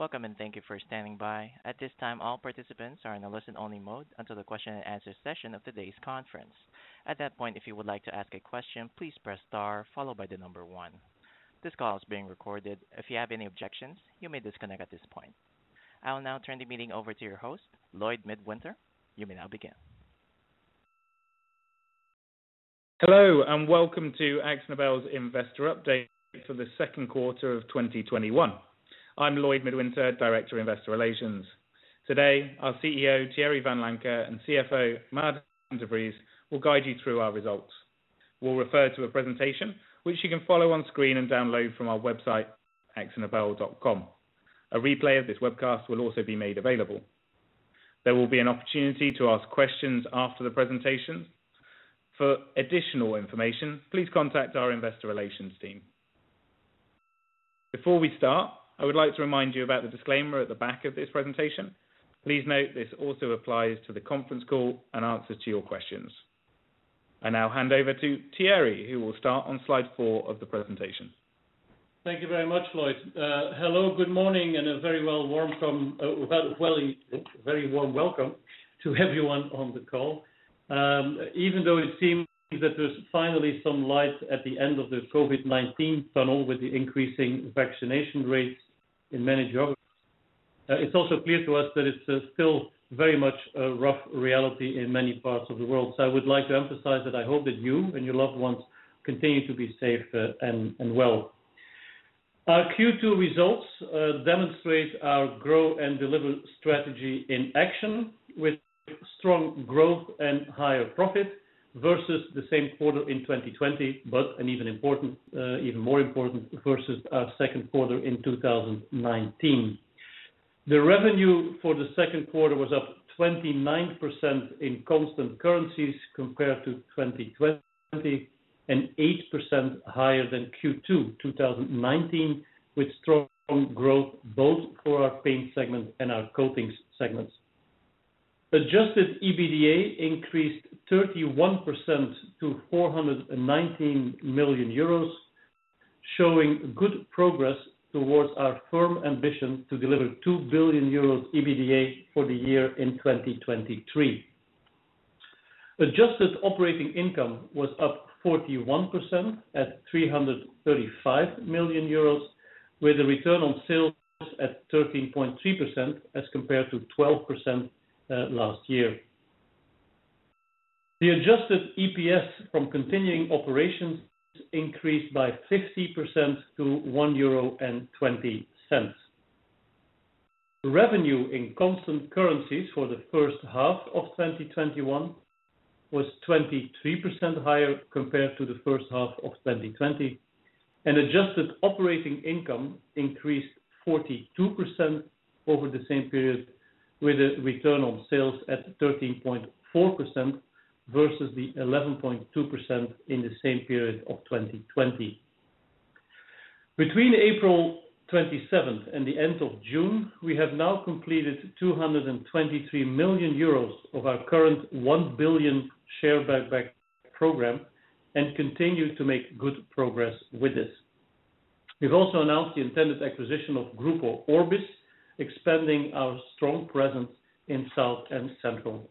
Welcome, and thank you for standing by. At this time, all participants are in a listen-only mode until the question and answer session of today's conference. At that point, if you would like to ask a question, please press star followed by the number one. This call is being recorded. If you have any objections, you may disconnect at this point. I will now turn the meeting over to your host, Lloyd Midwinter. You may now begin. Hello, welcome to AkzoNobel's investor update for the second quarter of 2021. I'm Lloyd Midwinter, Director of Investor Relations. Today, our CEO, Thierry Vanlancker, and CFO, Maarten de Vries, will guide you through our results. We'll refer to a presentation, which you can follow on screen and download from our website, akzonobel.com. A replay of this webcast will also be made available. There will be an opportunity to ask questions after the presentation. For additional information, please contact our investor relations team. Before we start, I would like to remind you about the disclaimer at the back of this presentation. Please note, this also applies to the conference call and answers to your questions. I now hand over to Thierry, who will start on slide four of the presentation. Thank you very much, Lloyd. Hello, good morning, and a very warm welcome to everyone on the call. Even though it seems that there's finally some light at the end of the COVID-19 tunnel with the increasing vaccination rates in many geographies, it's also clear to us that it's still very much a rough reality in many parts of the world. I would like to emphasize that I hope that you and your loved ones continue to be safe and well. Our Q2 results demonstrate our Grow & Deliver strategy in action, with strong growth and higher profit versus the same quarter in 2020, but even more important, versus our second quarter in 2019. The revenue for the second quarter was up 29% in constant currencies compared to 2020 and 8% higher than Q2 2019, with strong growth both for our paint segment and our coatings segments. Adjusted EBITDA increased 31% to 419 million euros, showing good progress towards our firm ambition to deliver 2 billion euros EBITDA for the year in 2023. Adjusted operating income was up 41% at 335 million euros, with a return on sales at 13.3% as compared to 12% last year. The adjusted EPS from continuing operations increased by 50% to 1.20 euro. Revenue in constant currencies for the first half of 2021 was 23% higher compared to the first half of 2020, and adjusted operating income increased 42% over the same period, with a return on sales at 13.4% versus the 11.2% in the same period of 2020. Between April 27th and the end of June, we have now completed 223 million euros of our current 1 billion share buyback program and continue to make good progress with this. We've also announced the intended acquisition of Grupo Orbis, expanding our strong presence in South and Central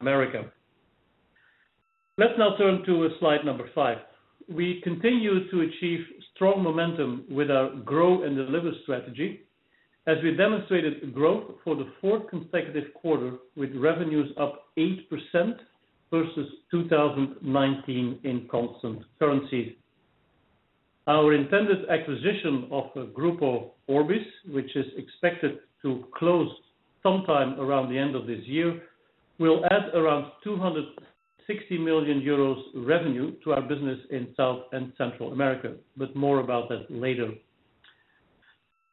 America. Let's now turn to slide number five. We continue to achieve strong momentum with our Grow & Deliver strategy, as we demonstrated growth for the fourth consecutive quarter, with revenues up 8% versus 2019 in constant currencies. Our intended acquisition of Grupo Orbis, which is expected to close sometime around the end of this year, will add around 260 million euros revenue to our business in South and Central America. More about that later.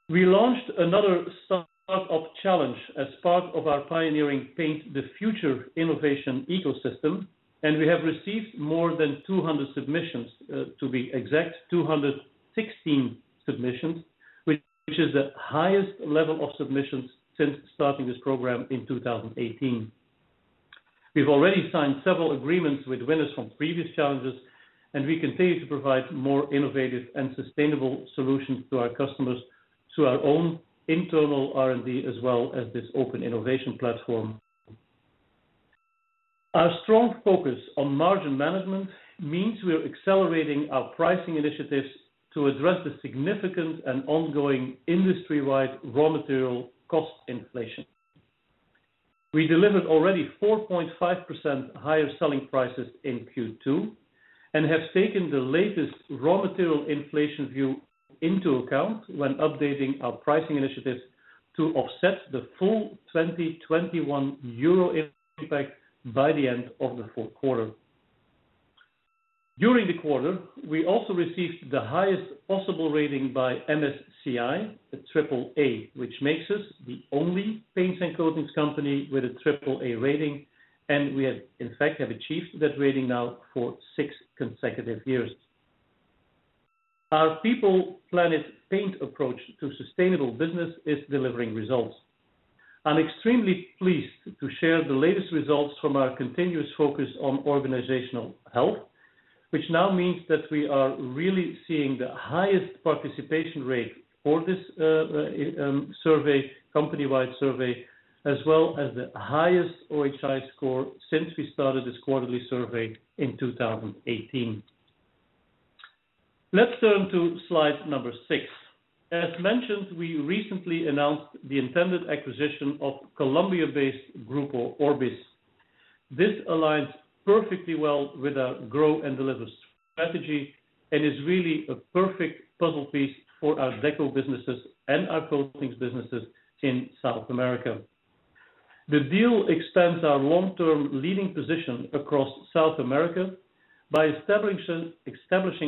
We launched another Startup Challenge as part of our pioneering Paint the Future innovation ecosystem, and we have received more than 200 submissions. To be exact, 216 submissions, which is the highest level of submissions since starting this program in 2018. We've already signed several agreements with winners from previous challenges, and we continue to provide more innovative and sustainable solutions to our customers through our own internal R&D, as well as this open innovation platform. Our strong focus on margin management means we're accelerating our pricing initiatives to address the significant and ongoing industry-wide raw material cost inflation. We delivered already 4.5% higher selling prices in Q2 and have taken the latest raw material inflation view into account when updating our pricing initiatives to offset the full 2021 euro impact by the end of the fourth quarter. During the quarter, we also received the highest possible rating by MSCI, a AAA, which makes us the only paints and coatings company with a AAA rating, and we have in fact achieved that rating now for six consecutive years. Our People. Planet. Paint. approach to sustainable business is delivering results. I'm extremely pleased to share the latest results from our continuous focus on organizational health, which now means that we are really seeing the highest participation rate for this company-wide survey, as well as the highest OHI score since we started this quarterly survey in 2018. Let's turn to slide number six. As mentioned, we recently announced the intended acquisition of Colombia-based Grupo Orbis. This aligns perfectly well with our Grow & Deliver strategy, and is really a perfect puzzle piece for our deco businesses and our coatings businesses in South America. The deal extends our long-term leading position across South America by establishing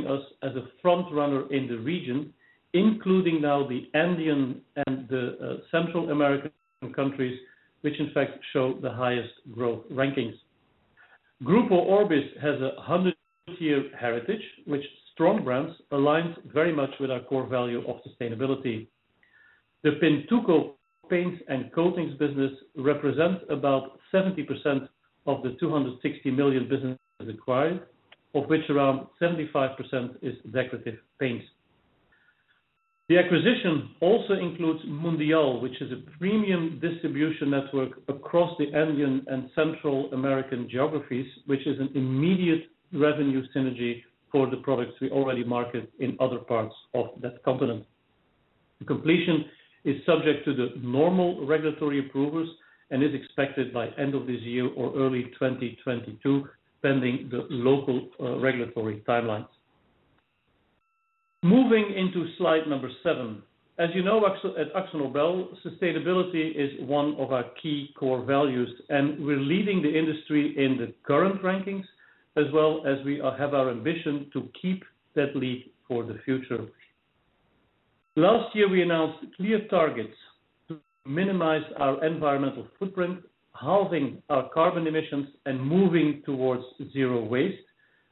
us as a frontrunner in the region, including now the Andean and the Central American countries, which in fact show the highest growth rankings. Grupo Orbis has a 100-year heritage with strong brands, aligns very much with our core value of sustainability. The Pintuco Paints and Coatings business represents about 70% of the 260 million business acquired, of which around 75% is Decorative Paints. The acquisition also includes Mundial, which is a premium distribution network across the Andean and Central American geographies, which is an immediate revenue synergy for the products we already market in other parts of that continent. The completion is subject to the normal regulatory approvals and is expected by end of this year or early 2022, pending the local regulatory timelines. Moving into slide number seven. As you know, at AkzoNobel, sustainability is one of our key core values, and we're leading the industry in the current rankings as well as we have our ambition to keep that lead for the future. Last year, we announced clear targets to minimize our environmental footprint, halving our carbon emissions and moving towards zero waste,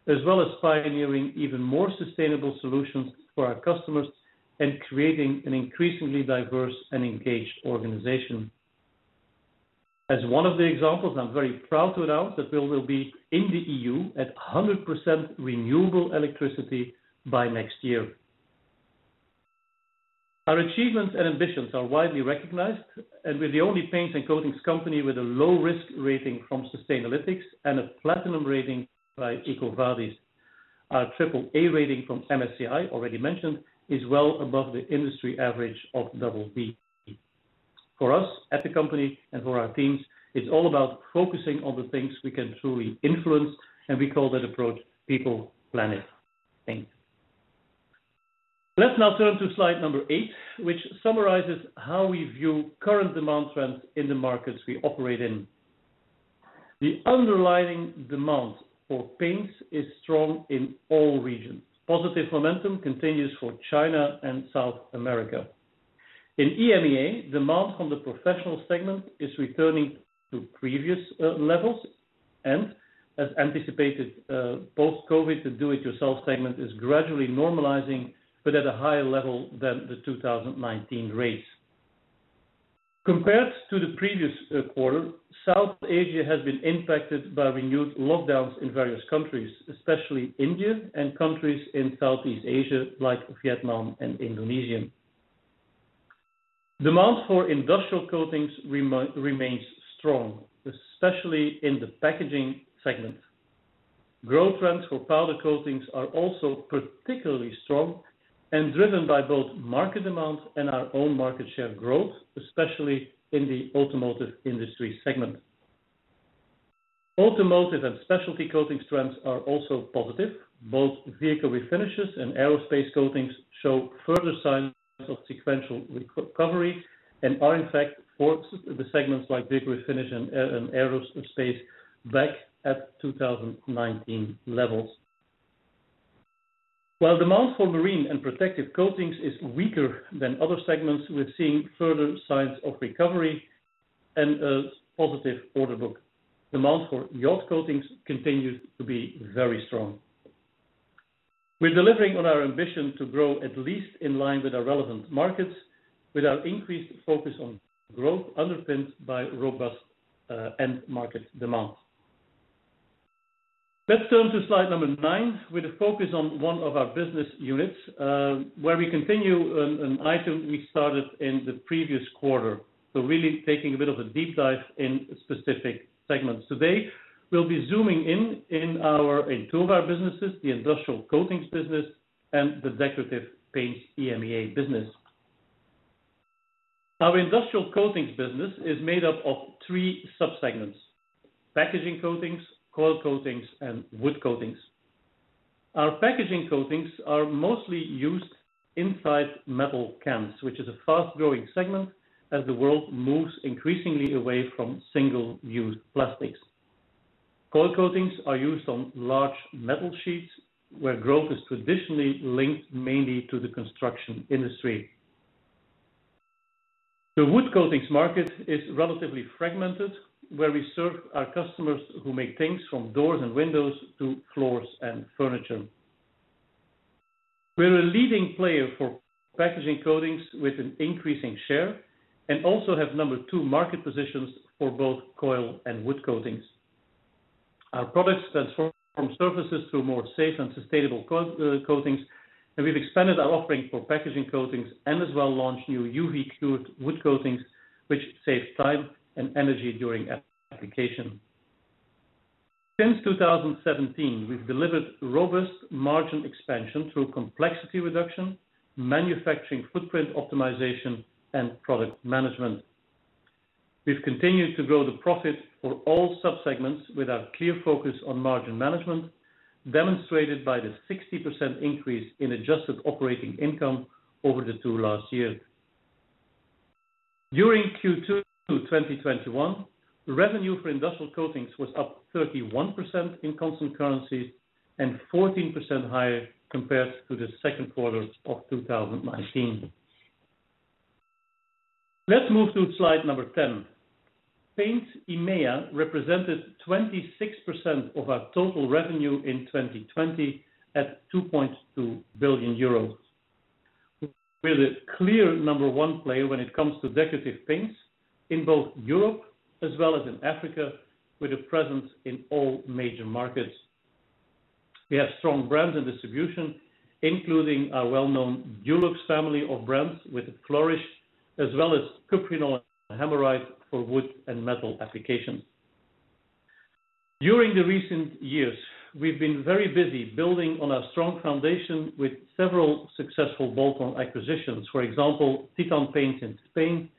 as well as pioneering even more sustainable solutions for our customers and creating an increasingly diverse and engaged organization. As one of the examples, I'm very proud to announce that we will be in the EU at 100% renewable electricity by next year. Our achievements and ambitions are widely recognized, and we're the only paints and coatings company with a low risk rating from Sustainalytics and a Platinum rating by EcoVadis. Our AAA rating from MSCI, already mentioned, is well above the industry average of BB. For us at the company and for our teams, it's all about focusing on the things we can truly influence, and we call that approach People. Planet. Paint. Let's now turn to slide number eight, which summarizes how we view current demand trends in the markets we operate in. The underlying demand for paints is strong in all regions. Positive momentum continues for China and South America. In EMEA, demand from the professional segment is returning to previous levels and as anticipated, post-COVID, the do it yourself segment is gradually normalizing, but at a higher level than the 2019 rates. Compared to the previous quarter, South Asia has been impacted by renewed lockdowns in various countries, especially India and countries in Southeast Asia like Vietnam and Indonesia. Demand for Industrial Coatings remains strong, especially in the packaging segment. Growth trends for powder coatings are also particularly strong and driven by both market demand and our own market share growth, especially in the automotive industry segment. Automotive and specialty coatings trends are also positive. Both vehicle refinish and aerospace coatings show further signs of sequential recovery and are in fact for the segments like vehicle refinish and aerospace back at 2019 levels. While demand for marine and protective coatings is weaker than other segments, we're seeing further signs of recovery and a positive order book. Demand for yacht coatings continues to be very strong. We're delivering on our ambition to grow at least in line with our relevant markets, with our increased focus on growth underpinned by robust end market demand. Let's turn to slide number nine with a focus on one of our business units, where we continue an item we started in the previous quarter. Really taking a bit of a deep dive in specific segments. Today, we'll be zooming in two of our businesses, the Industrial Coatings business and the Decorative Paints EMEA business. Our Industrial Coatings business is made up of three sub-segments: packaging coatings, coil coatings, and wood coatings. Our packaging coatings are mostly used inside metal cans, which is a fast-growing segment as the world moves increasingly away from single-use plastics. Coil coatings are used on large metal sheets where growth is traditionally linked mainly to the construction industry. The wood coatings market is relatively fragmented, where we serve our customers who make things from doors and windows to floors and furniture. We're a leading player for packaging coatings with an increasing share, and also have number two market positions for both coil and wood coatings. Our products transform surfaces through more safe and sustainable coatings, and we've expanded our offering for packaging coatings and as well launched new UV-cured wood coatings, which save time and energy during application. Since 2017, we've delivered robust margin expansion through complexity reduction, manufacturing footprint optimization, and product management. We've continued to grow the profit for all sub-segments with our clear focus on margin management, demonstrated by the 60% increase in adjusted operating income over the two last years. During Q2 2021, revenue for Industrial Coatings was up 31% in constant currency and 14% higher compared to the second quarter of 2019. Let's move to slide number 10. Paints EMEA represented 26% of our total revenue in 2020 at 2.2 billion euros. We're the clear number one player when it comes to Decorative Paints in both Europe as well as in Africa, with a presence in all major markets. We have strong brands and distribution, including our well-known Dulux family of brands with Flexa, as well as Cuprinol and Hammerite for wood and metal applications. During the recent years, we've been very busy building on our strong foundation with several successful bolt-on acquisitions. For example, Titan Paints in Spain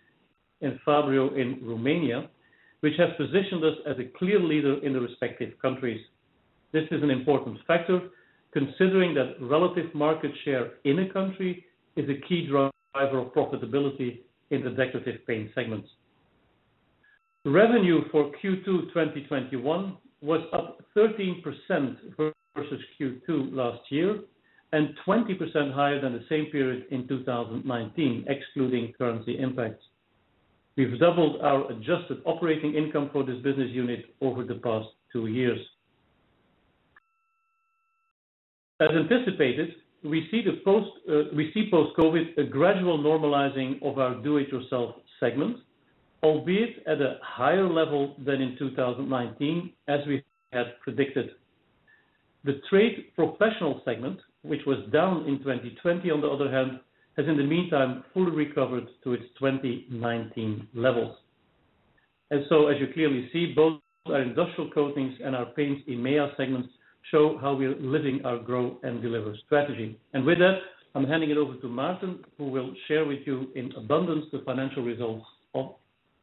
and Fabryo in Romania, which have positioned us as a clear leader in the respective countries. This is an important factor, considering that relative market share in a country is a key driver of profitability in Decorative Paints segments. Revenue for Q2 2021 was up 13% versus Q2 last year, and 20% higher than the same period in 2019, excluding currency impacts. We've doubled our adjusted operating income for this business unit over the past two years. As anticipated, we see post-COVID-19 a gradual normalizing of our DIY segment, albeit at a higher level than in 2019 as we had predicted. The trade professional segment, which was down in 2020 on the other hand, has in the meantime fully recovered to its 2019 levels. As you clearly see, both our Industrial Coatings and our Paints EMEA segments show how we're living our Grow & Deliver strategy. With that, I'm handing it over to Maarten, who will share with you in abundance the financial results of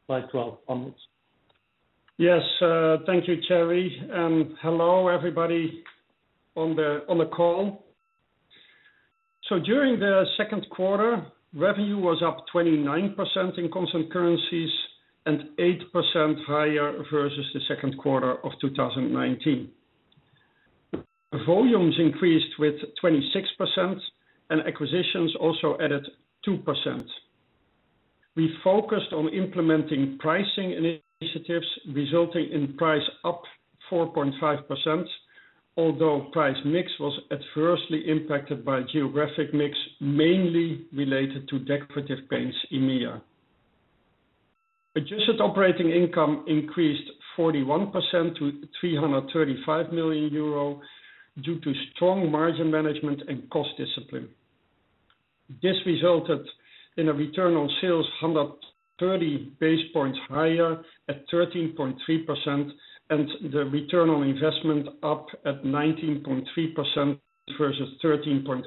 slide 12 onwards. Yes. Thank you, Thierry. Hello everybody on the call. During the second quarter, revenue was up 29% in constant currencies and 8% higher versus the second quarter of 2019. Volumes increased with 26%. Acquisitions also added 2%. We focused on implementing pricing initiatives resulting in price up 4.5%, although price mix was adversely impacted by geographic mix, mainly related to Decorative Paints EMEA. Adjusted operating income increased 41% to 335 million euro due to strong margin management and cost discipline. This resulted in a return on sales 130 basis points higher at 13.3%. The return on investment up at 19.3% versus 13.8%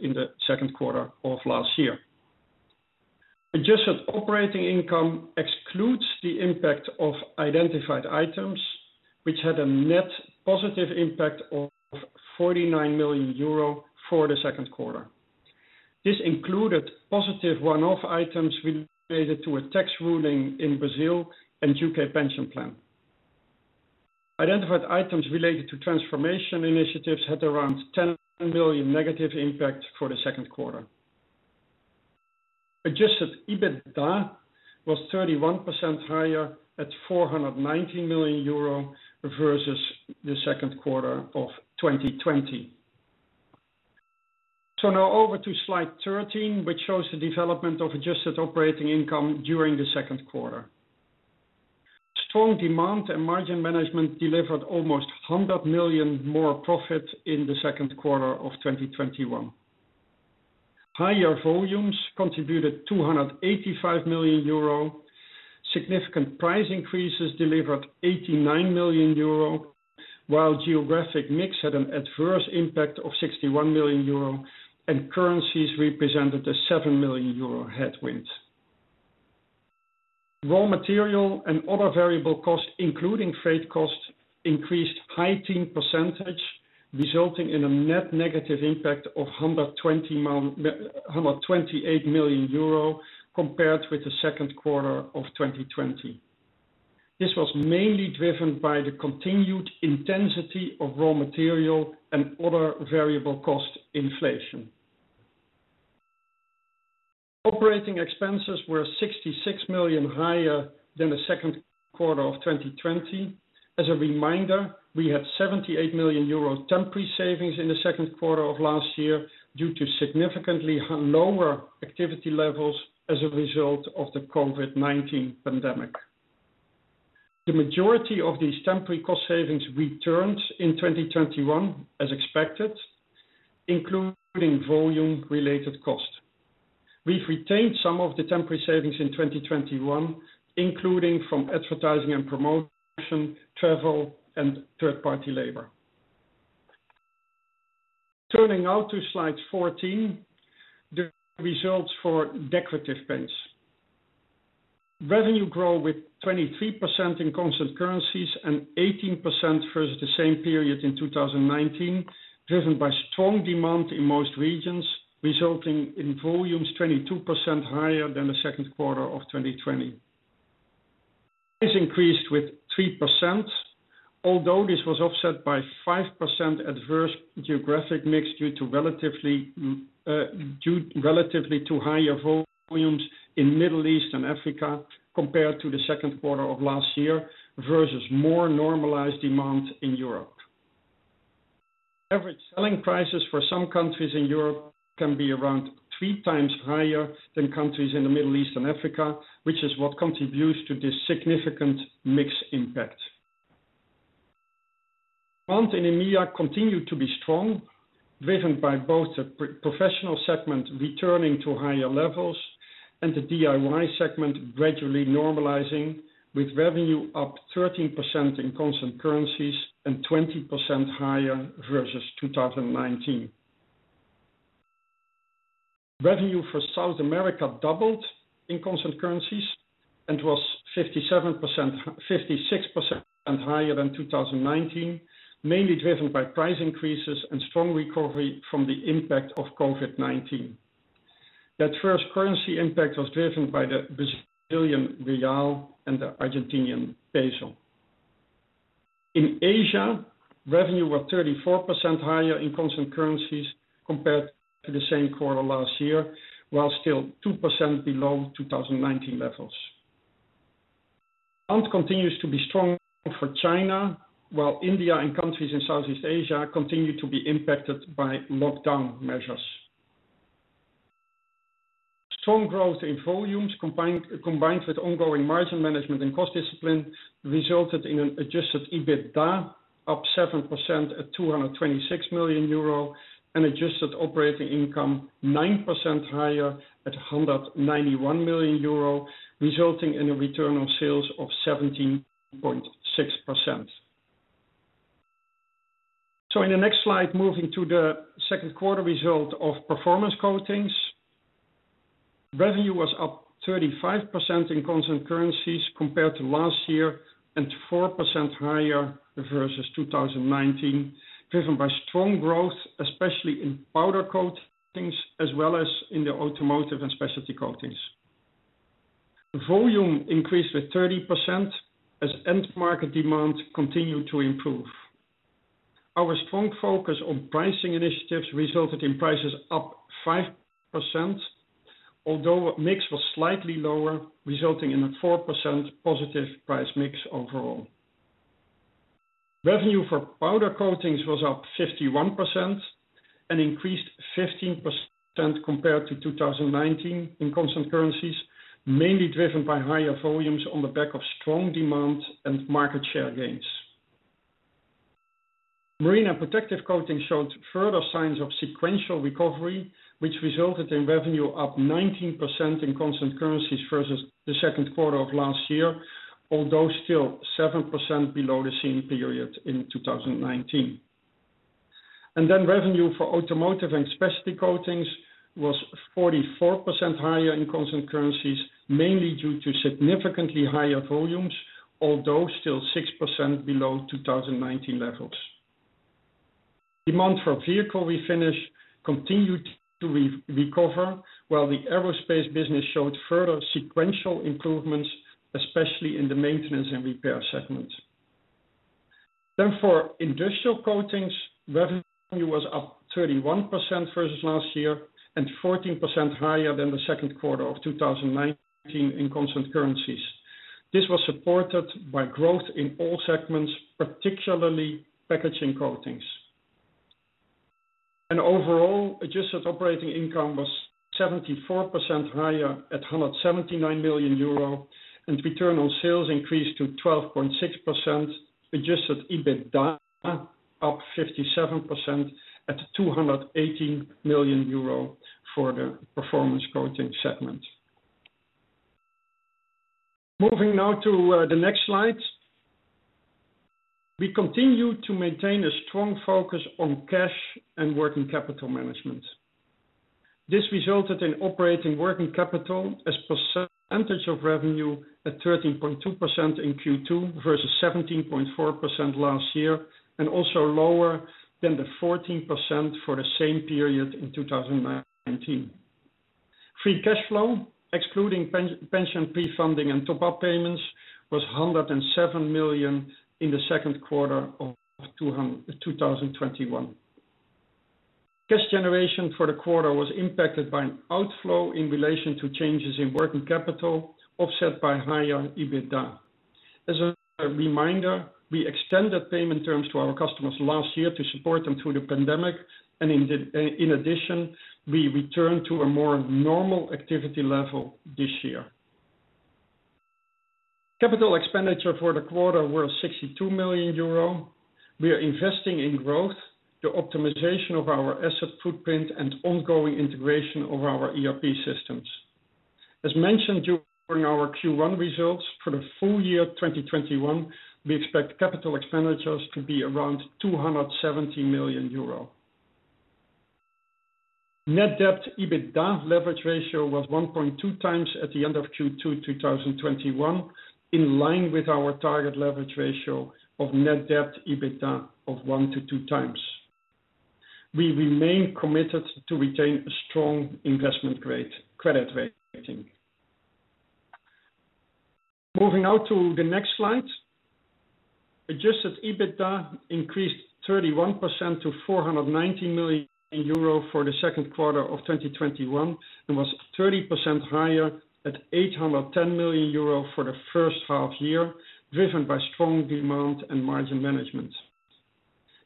in the second quarter of last year. Adjusted operating income excludes the impact of identified items, which had a net positive impact of 49 million euro for the second quarter. This included positive one-off items related to a tax ruling in Brazil and U.K. pension plan. Identified items related to transformation initiatives had around 10 million negative impact for the second quarter. Adjusted EBITDA was 31% higher at 419 million euro versus the second quarter of 2020. Now over to slide 13, which shows the development of adjusted operating income during the second quarter. Strong demand and margin management delivered almost 100 million more profit in the second quarter of 2021. Higher volumes contributed 285 million euro. Significant price increases delivered 89 million euro, while geographic mix had an adverse impact of 61 million euro and currencies represented a 7 million euro headwind. Raw material and other variable costs, including freight costs, increased 15%, resulting in a net negative impact of 128 million euro compared with the second quarter of 2020. This was mainly driven by the continued intensity of raw material and other variable cost inflation. Operating expenses were 66 million higher than the second quarter of 2020. As a reminder, we had 78 million euro temporary savings in the second quarter of last year due to significantly lower activity levels as a result of the COVID-19 pandemic. The majority of these temporary cost savings returned in 2021, as expected, including volume related cost. We've retained some of the temporary savings in 2021, including from advertising and promotion, travel, and third party labor. Turning now to slide 14, the results for Decorative Paints. Revenue grow with 23% in constant currencies and 18% versus the same period in 2019, driven by strong demand in most regions, resulting in volumes 22% higher than the second quarter of 2020. This increased with 3%, although this was offset by 5% adverse geographic mix due to relatively 2 higher volumes in Middle East and Africa compared to the second quarter of last year versus more normalized demand in Europe. Average selling prices for some countries in Europe can be around three times higher than countries in the Middle East and Africa, which is what contributes to this significant mix impact. Demand in EMEA continued to be strong, driven by both the professional segment returning to higher levels and the DIY segment gradually normalizing with revenue up 13% in constant currencies and 20% higher versus 2019. Revenue for South America doubled in constant currencies and was 56% higher than 2019, mainly driven by price increases and strong recovery from the impact of COVID-19. That first currency impact was driven by the Brazilian real and the Argentinian peso. In Asia, revenue was 34% higher in constant currencies compared to the same quarter last year, while still 2% below 2019 levels. Demand continues to be strong for China, while India and countries in Southeast Asia continue to be impacted by lockdown measures. Strong growth in volumes, combined with ongoing margin management and cost discipline, resulted in an adjusted EBITDA up 7% at 226 million euro and adjusted operating income 9% higher at 191 million euro, resulting in a return on sales of 17.6%. In the next slide, moving to the second quarter result of Performance Coatings. Revenue was up 35% in constant currencies compared to last year and 4% higher versus 2019, driven by strong growth, especially in powder coatings as well as in the automotive and specialty coatings. Volume increased with 30% as end market demand continued to improve. Our strong focus on pricing initiatives resulted in prices up 5%, although mix was slightly lower, resulting in a 4% positive price mix overall. Revenue for powder coatings was up 51% and increased 15% compared to 2019 in constant currencies, mainly driven by higher volumes on the back of strong demand and market share gains. Marine and protective coating showed further signs of sequential recovery, which resulted in revenue up 19% in constant currencies versus the second quarter of last year, although still 7% below the same period in 2019. Revenue for automotive and specialty coatings was 44% higher in constant currencies, mainly due to significantly higher volumes, although still 6% below 2019 levels. Demand for vehicle refinish continued to recover while the aerospace business showed further sequential improvements, especially in the maintenance and repair segment. For Industrial Coatings, revenue was up 31% versus last year and 14% higher than the second quarter of 2019 in constant currencies. This was supported by growth in all segments, particularly packaging coatings. Overall, adjusted operating income was 74% higher at 179 million euro, and return on sales increased to 12.6%, adjusted EBITDA up 57% at 218 million euro for the Performance Coatings segment. Moving now to the next slide. We continue to maintain a strong focus on cash and working capital management. This resulted in operating working capital as percentage of revenue at 13.2% in Q2 versus 17.4% last year, and also lower than the 14% for the same period in 2019. Free cash flow, excluding pension pre-funding and top-up payments, was 107 million in the second quarter of 2021. Cash generation for the quarter was impacted by an outflow in relation to changes in working capital, offset by higher EBITDA. As a reminder, we extended payment terms to our customers last year to support them through the pandemic, and in addition, we return to a more normal activity level this year. Capital expenditure for the quarter were 62 million euro. We are investing in growth, the optimization of our asset footprint, and ongoing integration of our ERP systems. As mentioned during our Q1 results, for the full year 2021, we expect capital expenditures to be around 270 million euro. Net debt/EBITDA leverage ratio was 1.2 times at the end of Q2 2021, in line with our target leverage ratio of net debt/EBITDA of one to two times. We remain committed to retain a strong investment credit rating. Moving now to the next slide. Adjusted EBITDA increased 31% to 490 million euro for the second quarter of 2021, and was 30% higher at 810 million euro for the first half year, driven by strong demand and margin management.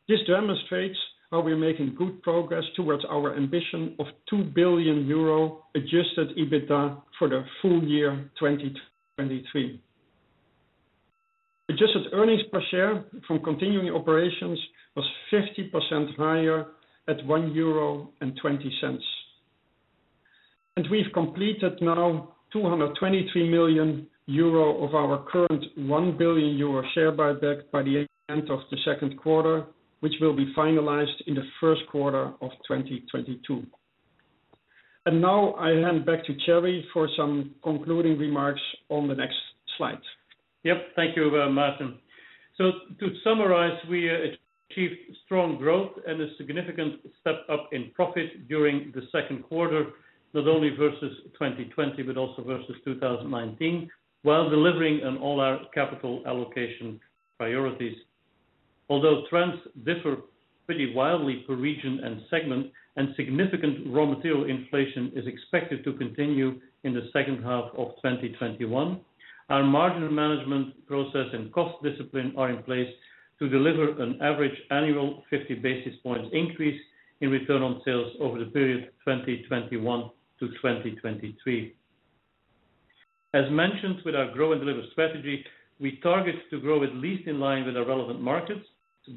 This demonstrates how we're making good progress towards our ambition of 2 billion euro adjusted EBITDA for the full year 2023. Adjusted earnings per share from continuing operations was 50% higher at 1.20 euro. We've completed now 223 million euro of our current 1 billion euro share buyback by the end of the second quarter, which will be finalized in the first quarter of 2022. Now I hand back to Thierry for some concluding remarks on the next slide. Yep. Thank you, Maarten. To summarize, we achieved strong growth and a significant step up in profit during the second quarter, not only versus 2020, but also versus 2019, while delivering on all our capital allocation priorities. Although trends differ pretty wildly per region and segment, and significant raw material inflation is expected to continue in the second half of 2021, our margin management process and cost discipline are in place to deliver an average annual 50 basis points increase in return on sales over the period 2021 to 2023. As mentioned with our Grow & Deliver strategy, we target to grow at least in line with our relevant markets.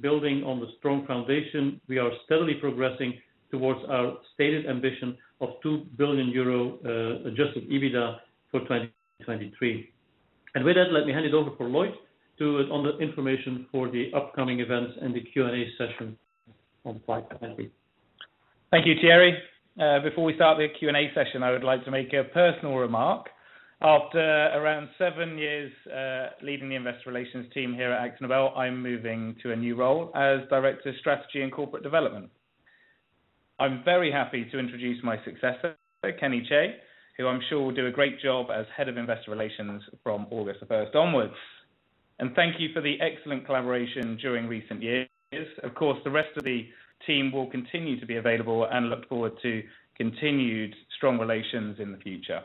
Building on the strong foundation, we are steadily progressing towards our stated ambition of 2 billion euro adjusted EBITDA for 2023. With that, let me hand it over for Lloyd to other information for the upcoming events and the Q&A session on. Thank you, Thierry. Before we start the Q&A session, I would like to make a personal remark. After around seven years leading the investor relations team here at AkzoNobel, I'm moving to a new role as Director of Strategy and Corporate Development. I'm very happy to introduce my successor, Kenny Chae, who I'm sure will do a great job as Head of Investor Relations from August 1st onwards. Thank you for the excellent collaboration during recent years. Of course, the rest of the team will continue to be available and look forward to continued strong relations in the future.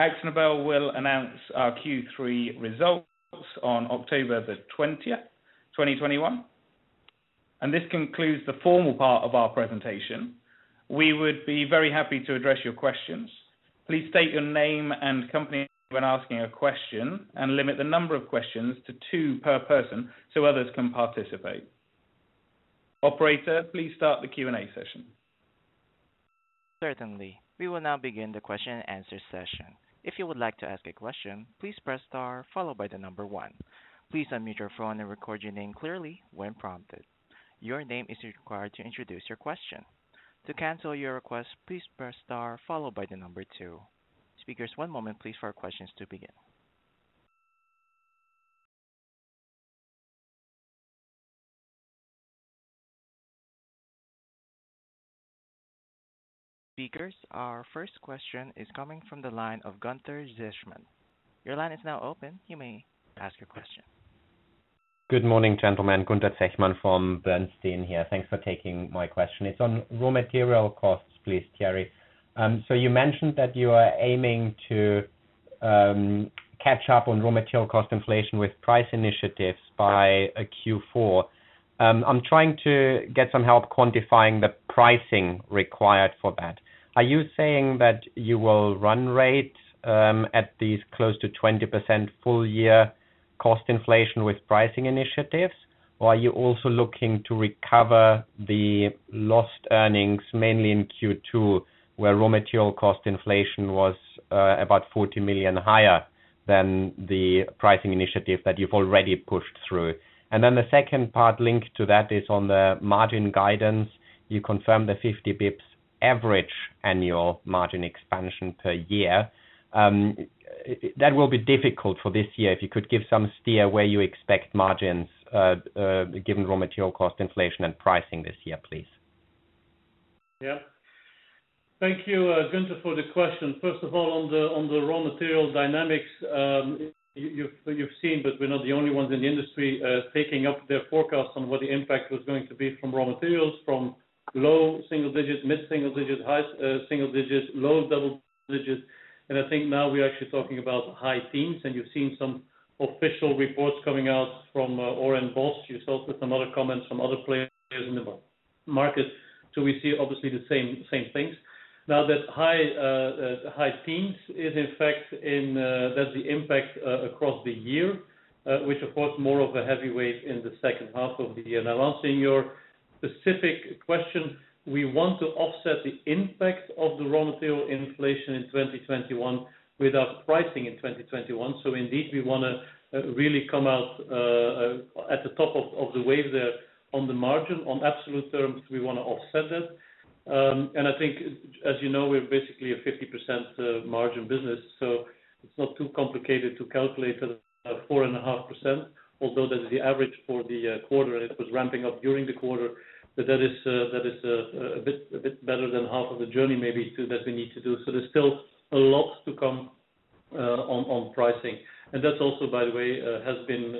AkzoNobel will announce our Q3 results on October 20th, 2021. This concludes the formal part of our presentation. We would be very happy to address your questions. Please state your name and company when asking a question, and limit the number of questions to two per person so others can participate. Operator, please start the Q&A session. Speakers, our first question is coming from the line of Gunther Zechmann. Your line is now open. You may ask your question. Good morning, gentlemen. Gunther Zechmann from Bernstein here. Thanks for taking my question. It's on raw material costs, please, Thierry. You mentioned that you are aiming to catch up on raw material cost inflation with price initiatives by Q4. I'm trying to get some help quantifying the pricing required for that. Are you saying that you will run rate at these close to 20% full year cost inflation with pricing initiatives? Or are you also looking to recover the lost earnings mainly in Q2, where raw material cost inflation was about 40 million higher than the pricing initiative that you've already pushed through? The second part linked to that is on the margin guidance. You confirmed the 50 bps average annual margin expansion per year. That will be difficult for this year. If you could give some steer where you expect margins, given raw material cost inflation and pricing this year, please. Yeah. Thank you, Gunther, for the question. First of all, on the raw material dynamics, you've seen, we're not the only ones in the industry taking up their forecasts on what the impact was going to be from raw materials, from low single digits, mid single digits, high single digits, low double digits. I think now we are actually talking about high teens, and you've seen some official reports coming out from Orion Boss yourself, with some other comments from other players in the market. We see obviously the same things. That high teens is in fact that the impact across the year, which of course more of a heavyweight in the second half of the year. Answering your specific question, we want to offset the impact of the raw material inflation in 2021 with our pricing in 2021. Indeed, we want to really come out at the top of the wave there on the margin. On absolute terms, we want to offset it. I think, as you know, we're basically a 50% margin business, so it's not too complicated to calculate a 4.5%, although that is the average for the quarter, it was ramping up during the quarter. That is a bit better than half of the journey maybe too, that we need to do. There's still a lot to come on pricing. That also, by the way, has been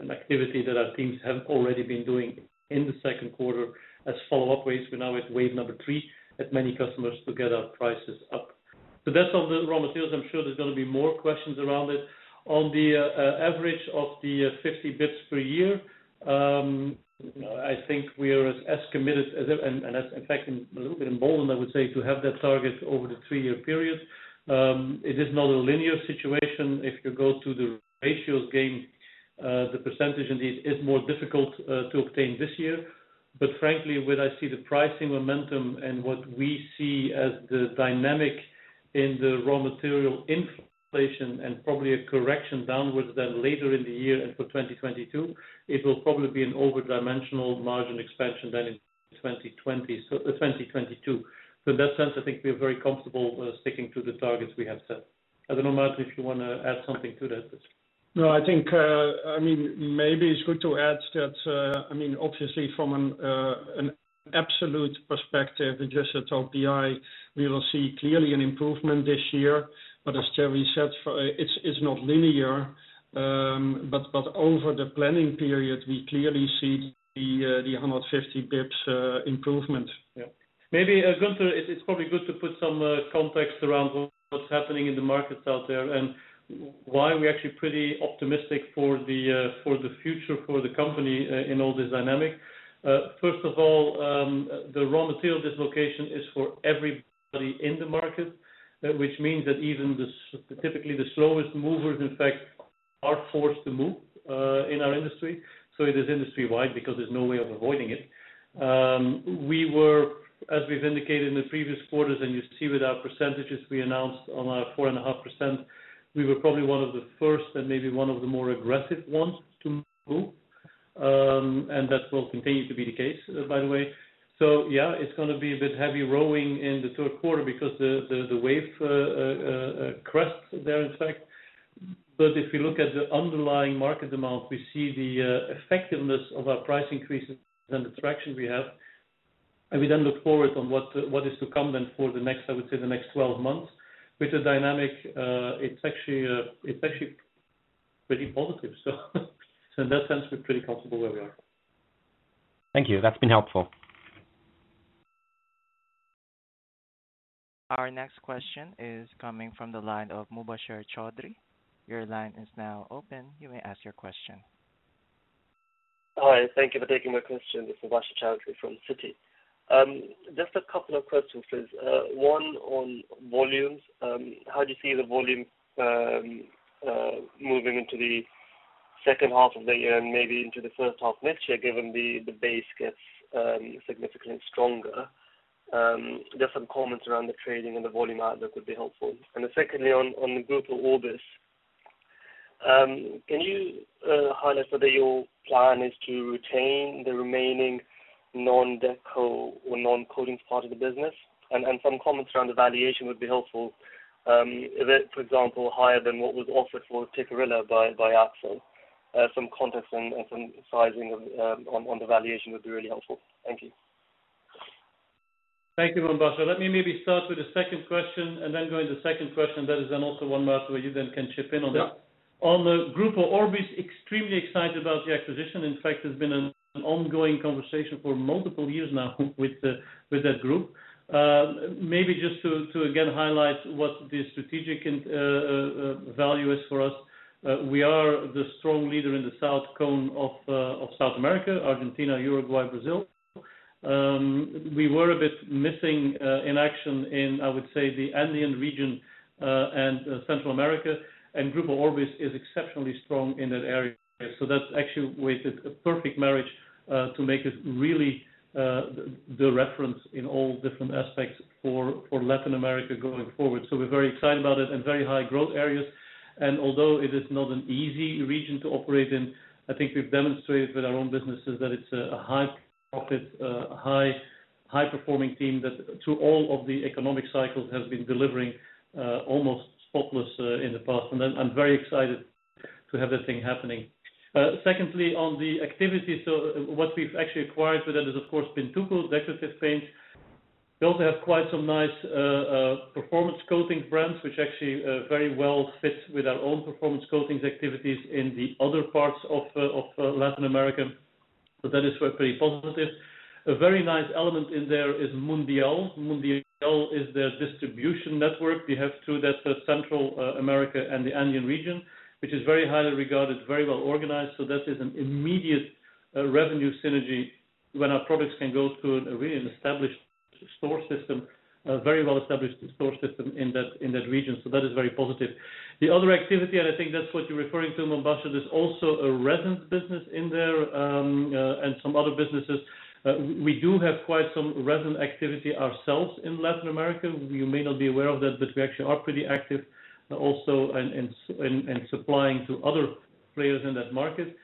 an activity that our teams have already been doing in the second quarter as follow-up waves. We're now at wave number three at many customers to get our prices up. That's on the raw materials. I'm sure there's going to be more questions around it. On the average of the 50 basis points per year, I think we are as committed, and as, in fact, a little bit emboldened, I would say, to have that target over the three-year period. It is not a linear situation. If you go to the ratios gained, the percentage indeed is more difficult to obtain this year. Frankly, when I see the pricing momentum and what we see as the dynamic in the raw material inflation and probably a correction downwards then later in the year and for 2022, it will probably be an over-dimensional margin expansion than in 2022. In that sense, I think we are very comfortable sticking to the targets we have set. I don't know, Maarten, if you want to add something to that. No, I think maybe it's good to add that obviously from an absolute perspective, just at OPI, we will see clearly an improvement this year. As Thierry said, it's not linear. Over the planning period, we clearly see the 150 bps improvement. Yeah. Maybe, Gunther, it's probably good to put some context around what's happening in the markets out there and why we're actually pretty optimistic for the future for the company in all this dynamic. First of all, the raw material dislocation is for everybody in the market, which means that even specifically the slowest movers, in fact, are forced to move, in our industry. It is industry-wide because there's no way of avoiding it. We were, as we've indicated in the previous quarters, and you see with our percentages we announced on our 4.5%, we were probably one of the first and maybe one of the more aggressive ones to move. That will continue to be the case, by the way. Yeah, it's going to be a bit heavy rowing in the third quarter because the wave crests there, in fact. If we look at the underlying market demand, we see the effectiveness of our price increases and the traction we have, and we then look forward on what is to come for the next 12 months. With the dynamic, it's actually pretty positive. In that sense, we're pretty comfortable where we are. Thank you. That's been helpful. Our next question is coming from the line of Mubasher Chaudhry. Your line is now open. You may ask your question. Hi, thank you for taking my question. This is Mubasher Chaudhry from Citi. Just a couple of questions, please. One on volumes. How do you see the volume moving into the second half of the year and maybe into the first half next year, given the base gets significantly stronger? Just some comments around the trading and the volume out there could be helpful. Secondly, on the Grupo Orbis. Can you highlight whether your plan is to retain the remaining non-deco or non-coatings part of the business? Some comments around the valuation would be helpful. Is it, for example, higher than what was offered for Tikkurila by Akzo? Some context and some sizing on the valuation would be really helpful. Thank you. Thank you, Mubasher. Let me maybe start with the second question and then go into the second question. That is then also one, Maarten, where you then can chip in on that. Yeah. On the Grupo Orbis, extremely excited about the acquisition. In fact, it's been an ongoing conversation for multiple years now with that group. Maybe just to again highlight what the strategic value is for us. We are the strong leader in the south cone of South America, Argentina, Uruguay, Brazil. We were a bit missing in action in, I would say, the Andean region and Central America, and Grupo Orbis is exceptionally strong in that area. That actually was a perfect marriage to make us really the reference in all different aspects for Latin America going forward. We're very excited about it and very high growth areas. Although it is not an easy region to operate in, I think we've demonstrated with our own businesses that it's a high profit, high performing team that through all of the economic cycles has been delivering almost spotless in the past. I'm very excited to have that thing happening. Secondly, on the activities, what we've actually acquired with that has, of course, been Pintuco Decorative Paints. We also have quite some nice Performance Coatings brands, which actually very well fit with our own Performance Coatings activities in the other parts of Latin America. That is very positive. A very nice element in there is Mundial. Mundial is their distribution network. We have two, that's Central America and the Andean region, which is very highly regarded, very well organized. That is an immediate revenue synergy when our products can go through a really established store system, a very well-established store system in that region. That is very positive. The other activity, and I think that's what you're referring to, Mubasher, is also a resins business in there, and some other businesses. We do have quite some resin activity ourselves in Latin America. You may not be aware of that, but we actually are pretty active also in supplying to other players in that market.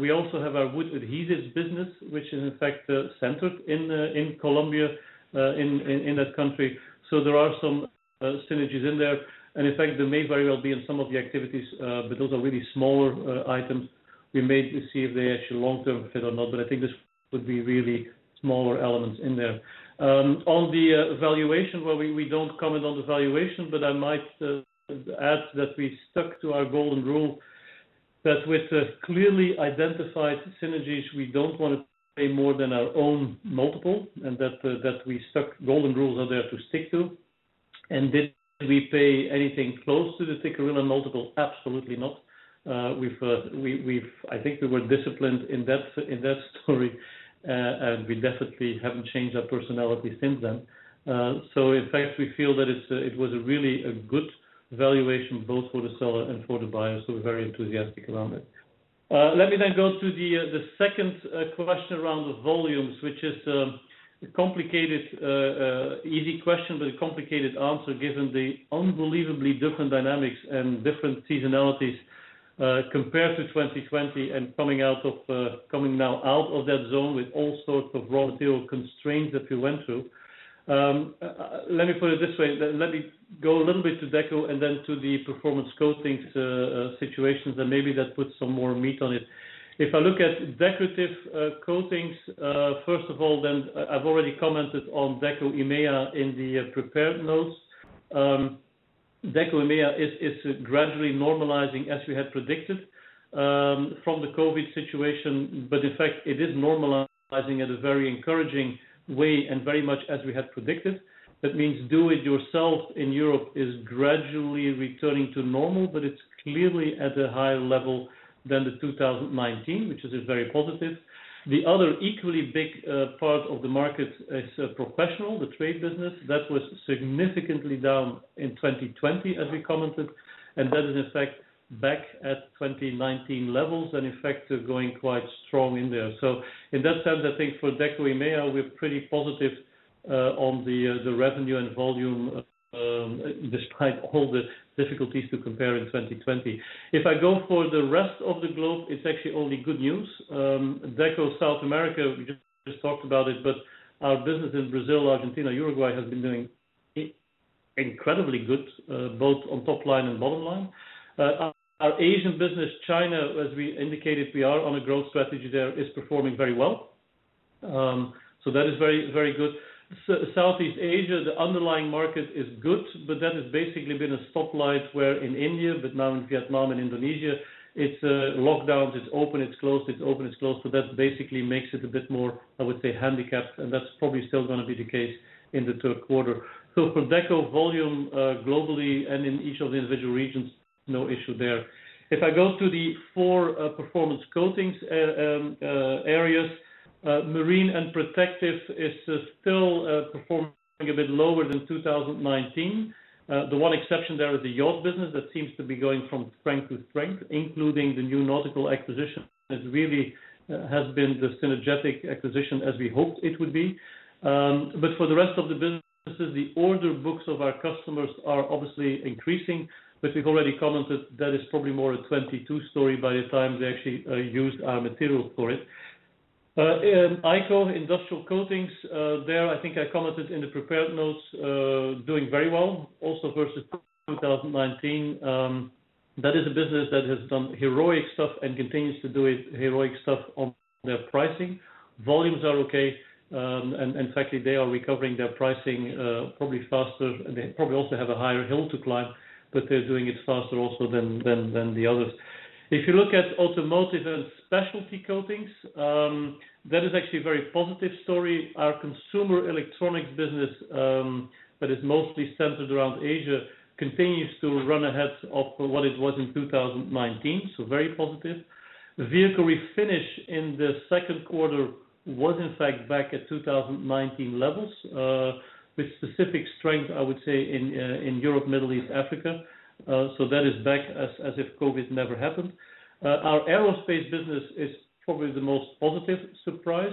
We also have our wood adhesives business, which is in fact centered in Colombia, in that country. There are some synergies in there, and in fact, they may very well be in some of the activities, but those are really smaller items. We may see if they actually long-term fit or not, but I think this would be really smaller elements in there. On the valuation, well, we don't comment on the valuation, but I might add that we stuck to our golden rule that with clearly identified synergies, we don't want to pay more than our own multiple, that golden rules are there to stick to. Did we pay anything close to the Tikkurila multiple? Absolutely not. I think we were disciplined in that story, and we definitely haven't changed our personality since then. In fact, we feel that it was really a good valuation both for the seller and for the buyer, so we're very enthusiastic around it. Let me go to the second question around the volumes, which is an easy question, but a complicated answer given the unbelievably different dynamics and different seasonalities, compared to 2020 and coming now out of that zone with all sorts of raw material constraints that we went through. Let me put it this way, let me go a little bit to Deco and then to the Performance Coatings situations. Maybe that puts some more meat on it. If I look at Decorative Paints, first of all, I've already commented on Deco EMEA in the prepared notes. Deco EMEA is gradually normalizing as we had predicted from the COVID-19 situation. In fact, it is normalizing at a very encouraging way and very much as we had predicted. That means do-it-yourself in Europe is gradually returning to normal. It's clearly at a higher level than the 2019, which is very positive. The other equally big part of the market is professional, the trade business. That was significantly down in 2020, as we commented. That is in fact back at 2019 levels and in fact going quite strong in there. In that sense, I think for Deco EMEA, we're pretty positive on the revenue and volume despite all the difficulties to compare in 2020. If I go for the rest of the globe, it's actually only good news. Deco South America, we just talked about it. Our business in Brazil, Argentina, Uruguay has been doing incredibly good, both on top line and bottom line. Our Asian business, China, as we indicated, we are on a growth strategy there, is performing very well. That is very good. Southeast Asia, the underlying market is good, that has basically been a spotlight where in India, but now in Vietnam and Indonesia, it's lockdowns. It's open, it's closed. That basically makes it a bit more, I would say, handicapped, and that's probably still going to be the case in the third quarter. For Deco volume globally and in each of the individual regions, no issue there. If I go to the four Performance Coatings areas, Marine and Protective is still performing a bit lower than 2019. The one exception there is the yacht business that seems to be going from strength to strength, including the New Nautical acquisition. That really has been the synergetic acquisition as we hoped it would be. For the rest of the businesses, the order books of our customers are obviously increasing. We've already commented that is probably more a 2022 story by the time they actually use our material for it. In IC, Industrial Coatings, there I think I commented in the prepared notes, doing very well, also versus 2019. That is a business that has done heroic stuff and continues to do heroic stuff on their pricing. Volumes are okay, and in fact, they are recovering their pricing probably faster. They probably also have a higher hill to climb, but they're doing it faster also than the others. If you look at automotive and specialty coatings, that is actually a very positive story. Our consumer electronics business, that is mostly centered around Asia, continues to run ahead of what it was in 2019, so very positive. Vehicle refinish in the second quarter was in fact back at 2019 levels, with specific strength, I would say, in Europe, Middle East, Africa. That is back as if COVID never happened. Our aerospace business is probably the most positive surprise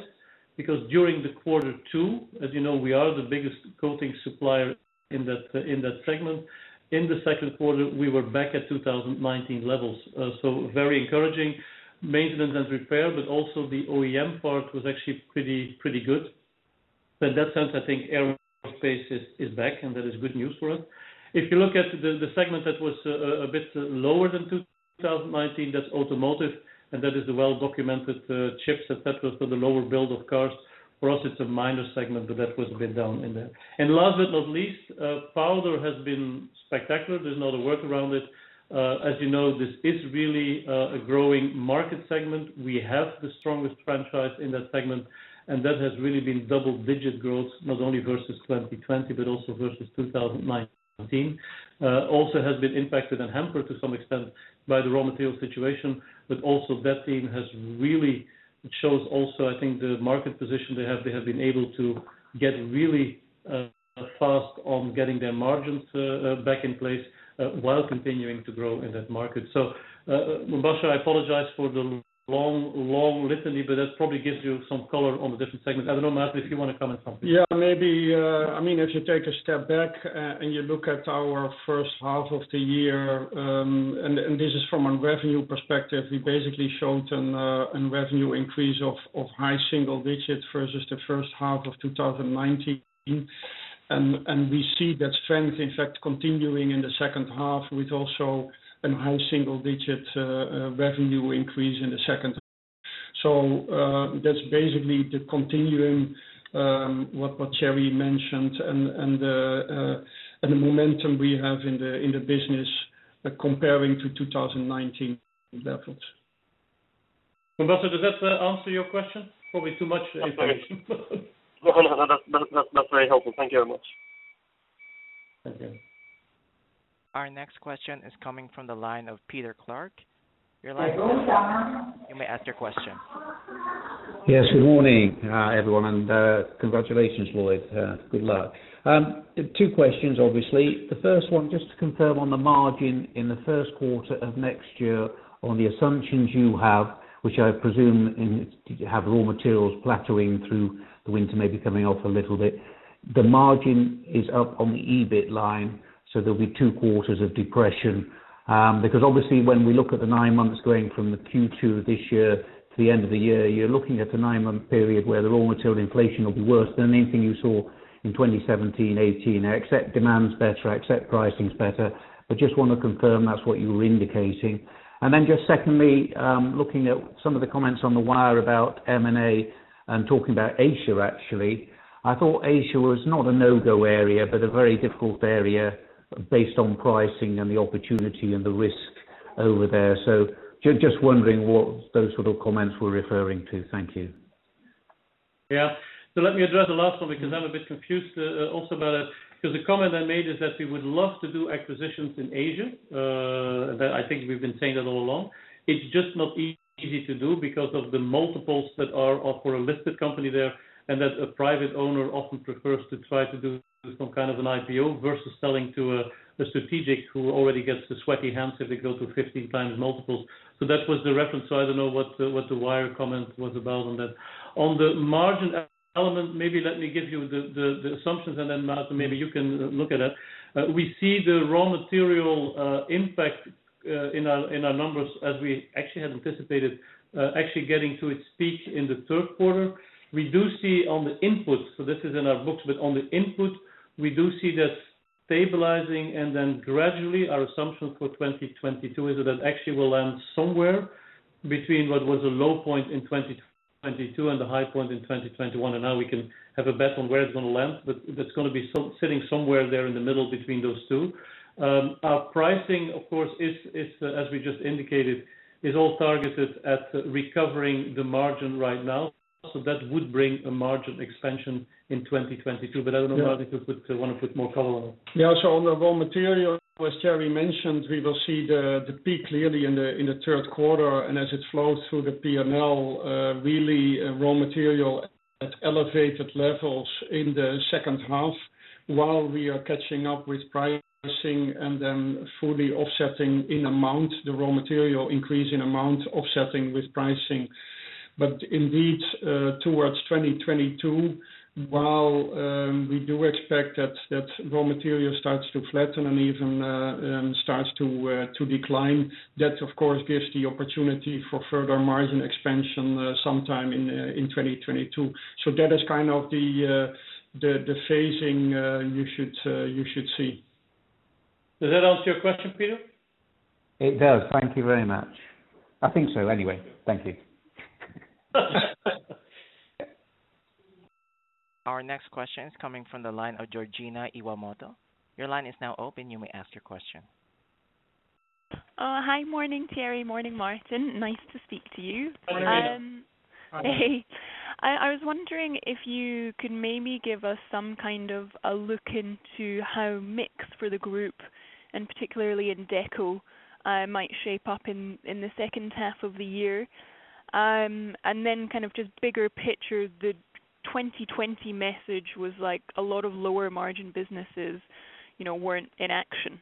because during the quarter two, as you know, we are the biggest coating supplier in that segment. In the second quarter, we were back at 2019 levels. Very encouraging. Maintenance and repair, but also the OEM part was actually pretty good. In that sense, I think aerospace is back, and that is good news for us. If you look at the segment that was a bit lower than 2019, that's automotive, and that is the well-documented chips et cetera, for the lower build of cars. For us, it's a minor segment, but that was a bit down in there. Last but not least, powder has been spectacular. There's no other word around it. As you know, this is really a growing market segment. We have the strongest franchise in that segment, and that has really been double-digit growth, not only versus 2020, but also versus 2019. Also has been impacted and hampered to some extent by the raw material situation. Also that team really shows also, I think, the market position they have. They have been able to get really fast on getting their margins back in place while continuing to grow in that market. Mubasher Chaudhry, I apologize for the long litany, but that probably gives you some color on the different segments. I don't know, Maarten de Vries, if you want to comment something. If you take a step back and you look at our first half of the year, and this is from a revenue perspective, we basically showed a revenue increase of high single digits versus the first half of 2019. We see that strength, in fact, continuing in the second half with also a high single-digit revenue increase in the second. That's basically the continuing what Thierry mentioned and the momentum we have in the business comparing to 2019 levels. Mubasher, does that answer your question? Probably too much information. No, that's very helpful. Thank you very much. Thank you. Our next question is coming from the line of Peter Clark. You may ask your question. Yes, good morning, everyone, and congratulations, Lloyd. Good luck. Two questions, obviously. The first one, just to confirm on the margin in the first quarter of next year on the assumptions you have, which I presume you have raw materials plateauing through the winter, maybe coming off a little bit. The margin is up on the EBIT line, so there'll be two quarters of depression. Obviously when we look at the nine months going from the Q2 of this year to the end of the year, you're looking at a nine-month period where the raw material inflation will be worse than anything you saw in 2017, 2018. I accept demand's better, I accept pricing's better, but just want to confirm that's what you were indicating. Just secondly, looking at some of the comments on the wire about M&A and talking about Asia, actually. I thought Asia was not a no-go area, but a very difficult area based on pricing and the opportunity and the risk over there. Just wondering what those sort of comments were referring to. Thank you. Yeah. Let me address the last one, because I'm a bit confused also about it, because the comment I made is that we would love to do acquisitions in Asia. That I think we've been saying that all along. It's just not easy to do because of the multiples that are for a listed company there, and that a private owner often prefers to try to do some kind of an IPO versus selling to a strategic who already gets the sweaty hands if they go to 15x multiples. That was the reference. I don't know what the wire comment was about on that. On the margin element, maybe let me give you the assumptions and then Maarten, maybe you can look at that. We see the raw material impact in our numbers as we actually had anticipated, actually getting to its peak in the third quarter. We do see on the input, so this is in our books, but on the input, we do see that stabilizing. Then gradually our assumption for 2022 is that actually will land somewhere between what was a low point in 2022 and a high point in 2021. Now we can have a bet on where it's going to land, That's going to be sitting somewhere there in the middle between those two. Our pricing, of course, as we just indicated, is all targeted at recovering the margin right now. That would bring a margin expansion in 2022. I don't know, Maarten, if you want to put more color on that. On the raw material, as Thierry mentioned, we will see the peak clearly in the third quarter. As it flows through the P&L, really raw material at elevated levels in the second half while we are catching up with pricing and then fully offsetting in amount, the raw material increase in amount offsetting with pricing. Indeed, towards 2022, while we do expect that raw material starts to flatten and even starts to decline, that of course gives the opportunity for further margin expansion sometime in 2022. That is kind of the phasing you should see. Does that answer your question, Peter? It does. Thank you very much. I think so, anyway. Thank you. Our next question is coming from the line of Georgina Fraser. Your line is now open. You may ask your question. Hi morning, Thierry, morning, Maarten. Nice to speak to you. Morning. Morning. Hey. I was wondering if you could maybe give us some kind of a look into how mix for the group, and particularly in Deco, might shape up in the second half of the year. Kind of just bigger picture, the 2020 message was a lot of lower margin businesses weren't in action.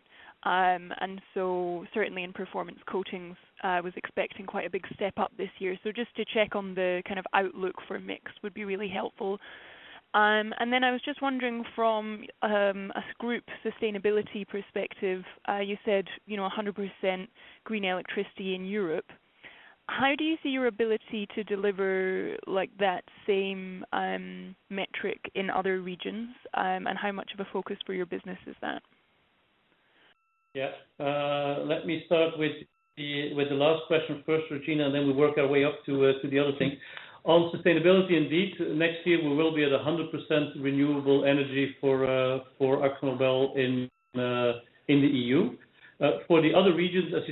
Certainly in Performance Coatings, I was expecting quite a big step-up this year. Just to check on the kind of outlook for mix would be really helpful. I was just wondering from a group sustainability perspective, you said 100% green electricity in Europe. How do you see your ability to deliver that same metric in other regions? How much of a focus for your business is that? Let me start with the last question first, Georgina, and then we'll work our way up to the other thing. On sustainability, indeed, next year we will be at 100% renewable energy for AkzoNobel in the EU. For the other regions, as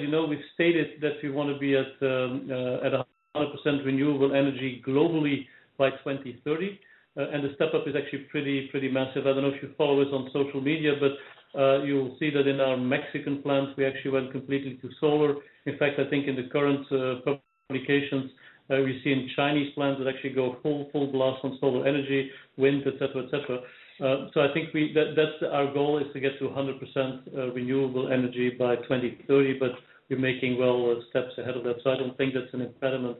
you know, we've stated that we want to be at 100% renewable energy globally by 2030. The step-up is actually pretty massive. I don't know if you follow us on social media, but you'll see that in our Mexican plants, we actually went completely to solar. In fact, I think in the current publications, we see in Chinese plants that actually go full blast on solar energy, wind, et cetera. I think that our goal is to get to 100% renewable energy by 2030, but we're making well steps ahead of that. I don't think that's an impediment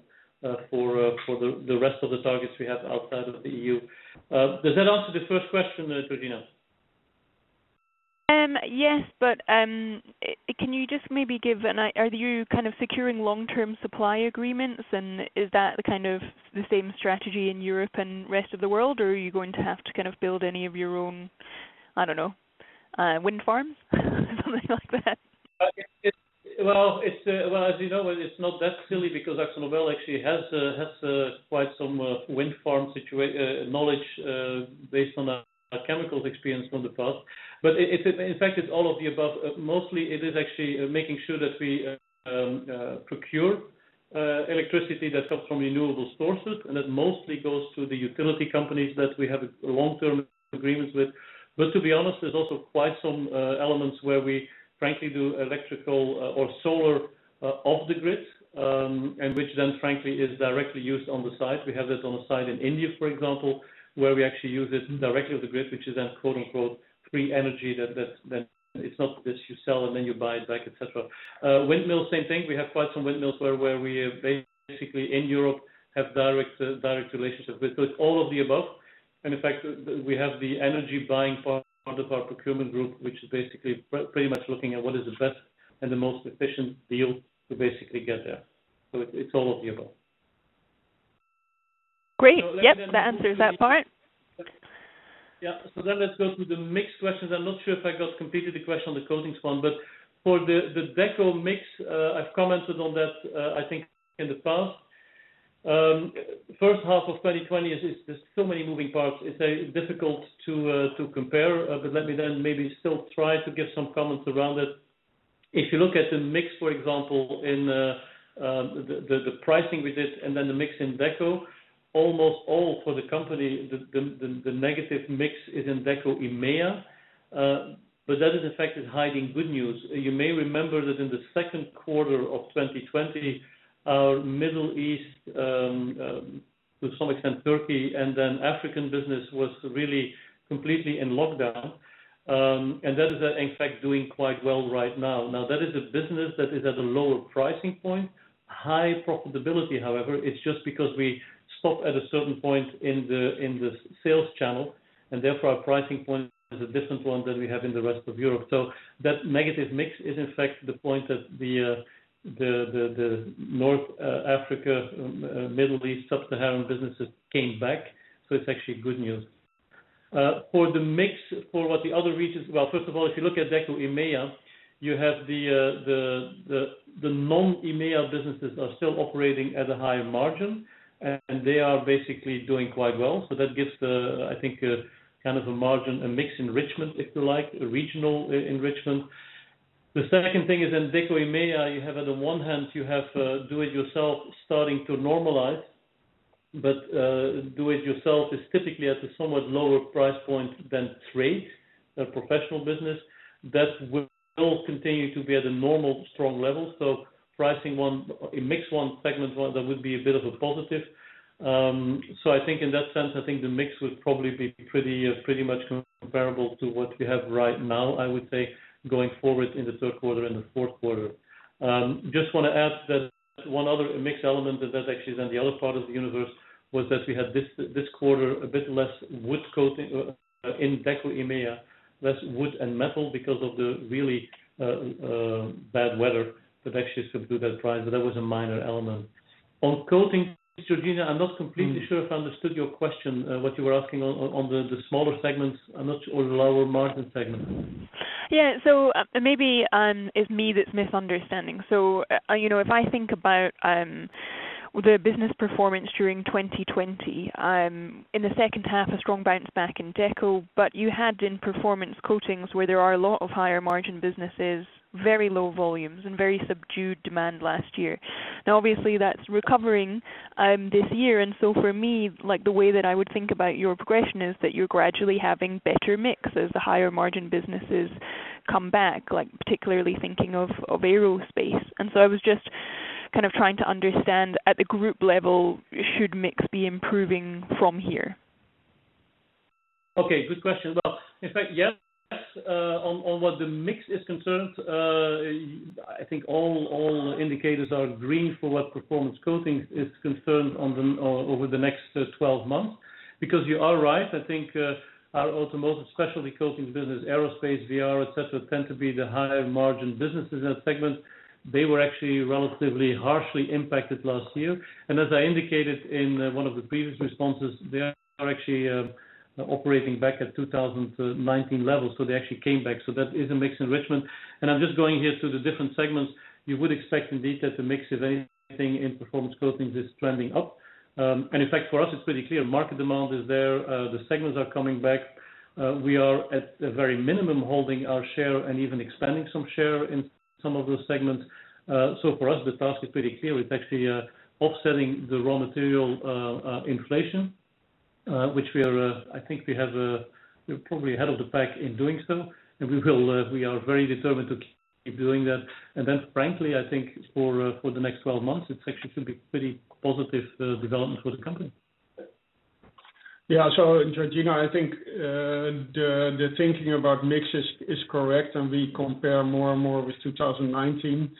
for the rest of the targets we have outside of the EU. Does that answer the first question, Georgina? Yes, can you just maybe give, are you securing long-term supply agreements, and is that the same strategy in Europe and rest of the world? Or are you going to have to build any of your own, I don't know, wind farms or something like that? Well, as you know, it's not that silly because AkzoNobel actually has quite some wind farm knowledge based on our chemicals experience from the past. In fact, it's all of the above. Mostly it is actually making sure that we procure electricity that comes from renewable sources, and that mostly goes to the utility companies that we have long-term agreements with. To be honest, there's also quite some elements where we frankly do electrical or solar off the grid, and which then frankly is directly used on the site. We have that on the site in India, for example, where we actually use it directly off the grid, which is then quote unquote, "free energy," that it's not that you sell and then you buy it back, et cetera. Windmills, same thing. We have quite some windmills where we basically in Europe have direct relationship with. It's all of the above. In fact, we have the energy buying part of our procurement group, which is basically pretty much looking at what is the best and the most efficient deal to basically get there. It's all of the above. Great. Yep. That answers that part. Yeah. Let's go to the mixed questions. I'm not sure if I got completely the question on the coatings 1, but for the Deco mix, I've commented on that, I think, in the past. First half of 2020, there's so many moving parts, it's difficult to compare, but let me then maybe still try to give some comments around it. If you look at the mix, for example, in the pricing we did, and then the mix in Deco, almost all for the company, the negative mix is in Deco EMEA, but that is in fact is hiding good news. You may remember that in the second quarter of 2020, our Middle East, to some extent Turkey, and then African business was really completely in lockdown. That is in fact doing quite well right now. That is a business that is at a lower pricing point, high profitability, however. It's just because we stop at a certain point in the sales channel, and therefore our pricing point is a different one than we have in the rest of Europe. That negative mix is in fact the point that the North Africa, Middle East, Sub-Saharan businesses came back. It's actually good news. For the mix for what the other regions, well, first of all, if you look at Deco EMEA, you have the non-EMEA businesses are still operating at a higher margin, and they are basically doing quite well. That gives, I think, kind of a margin, a mix enrichment, if you like, a regional enrichment. The second thing is in Deco EMEA, you have on the one hand, you have do it yourself starting to normalize, but do it yourself is typically at a somewhat lower price point than trade, a professional business. That will continue to be at a normal, strong level. Pricing one, mix one, segment one, that would be a bit of a positive. I think in that sense, I think the mix would probably be pretty much comparable to what we have right now, I would say, going forward in the third quarter and the fourth quarter. Just want to add that one other mix element, and that's actually then the other part of the universe, was that we had this quarter a bit less wood coating in Deco EMEA, less wood and metal because of the really bad weather that actually subdued that drive. That was a minor element. On coatings, Georgina Fraser, I am not completely sure if I understood your question, what you were asking on the smaller segments, or the lower margin segments. Yeah. Maybe it's me that's misunderstanding. If I think about the business performance during 2020, in the second half, a strong bounce back in Deco, but you had in Performance Coatings where there are a lot of higher margin businesses, very low volumes and very subdued demand last year. Obviously that's recovering this year, and so for me, the way that I would think about your progression is that you're gradually having better mix as the higher margin businesses come back, particularly thinking of aerospace. I was just trying to understand at the group level, should mix be improving from here? Okay. Good question. Well, in fact, yes, on what the mix is concerned, I think all indicators are green for what Performance Coatings is concerned over the next 12 months, because you are right. I think our automotive specialty coatings business, aerospace, VR, et cetera, tend to be the higher margin businesses in that segment. They were actually relatively harshly impacted last year. As I indicated in one of the previous responses, they are actually operating back at 2019 levels. They actually came back. That is a mix enrichment, and I'm just going here through the different segments. You would expect indeed that the mix, if anything, in Performance Coatings is trending up. In fact, for us, it's pretty clear. Market demand is there. The segments are coming back. We are at a very minimum, holding our share and even expanding some share in some of those segments. For us, the task is pretty clear. It's actually offsetting the raw material inflation, which we're probably ahead of the pack in doing so, and we are very determined to keep doing that. Frankly, I think for the next 12 months, it's actually going to be pretty positive development for the company. Georgina, I think the thinking about mix is correct, and we compare more and more with 2019,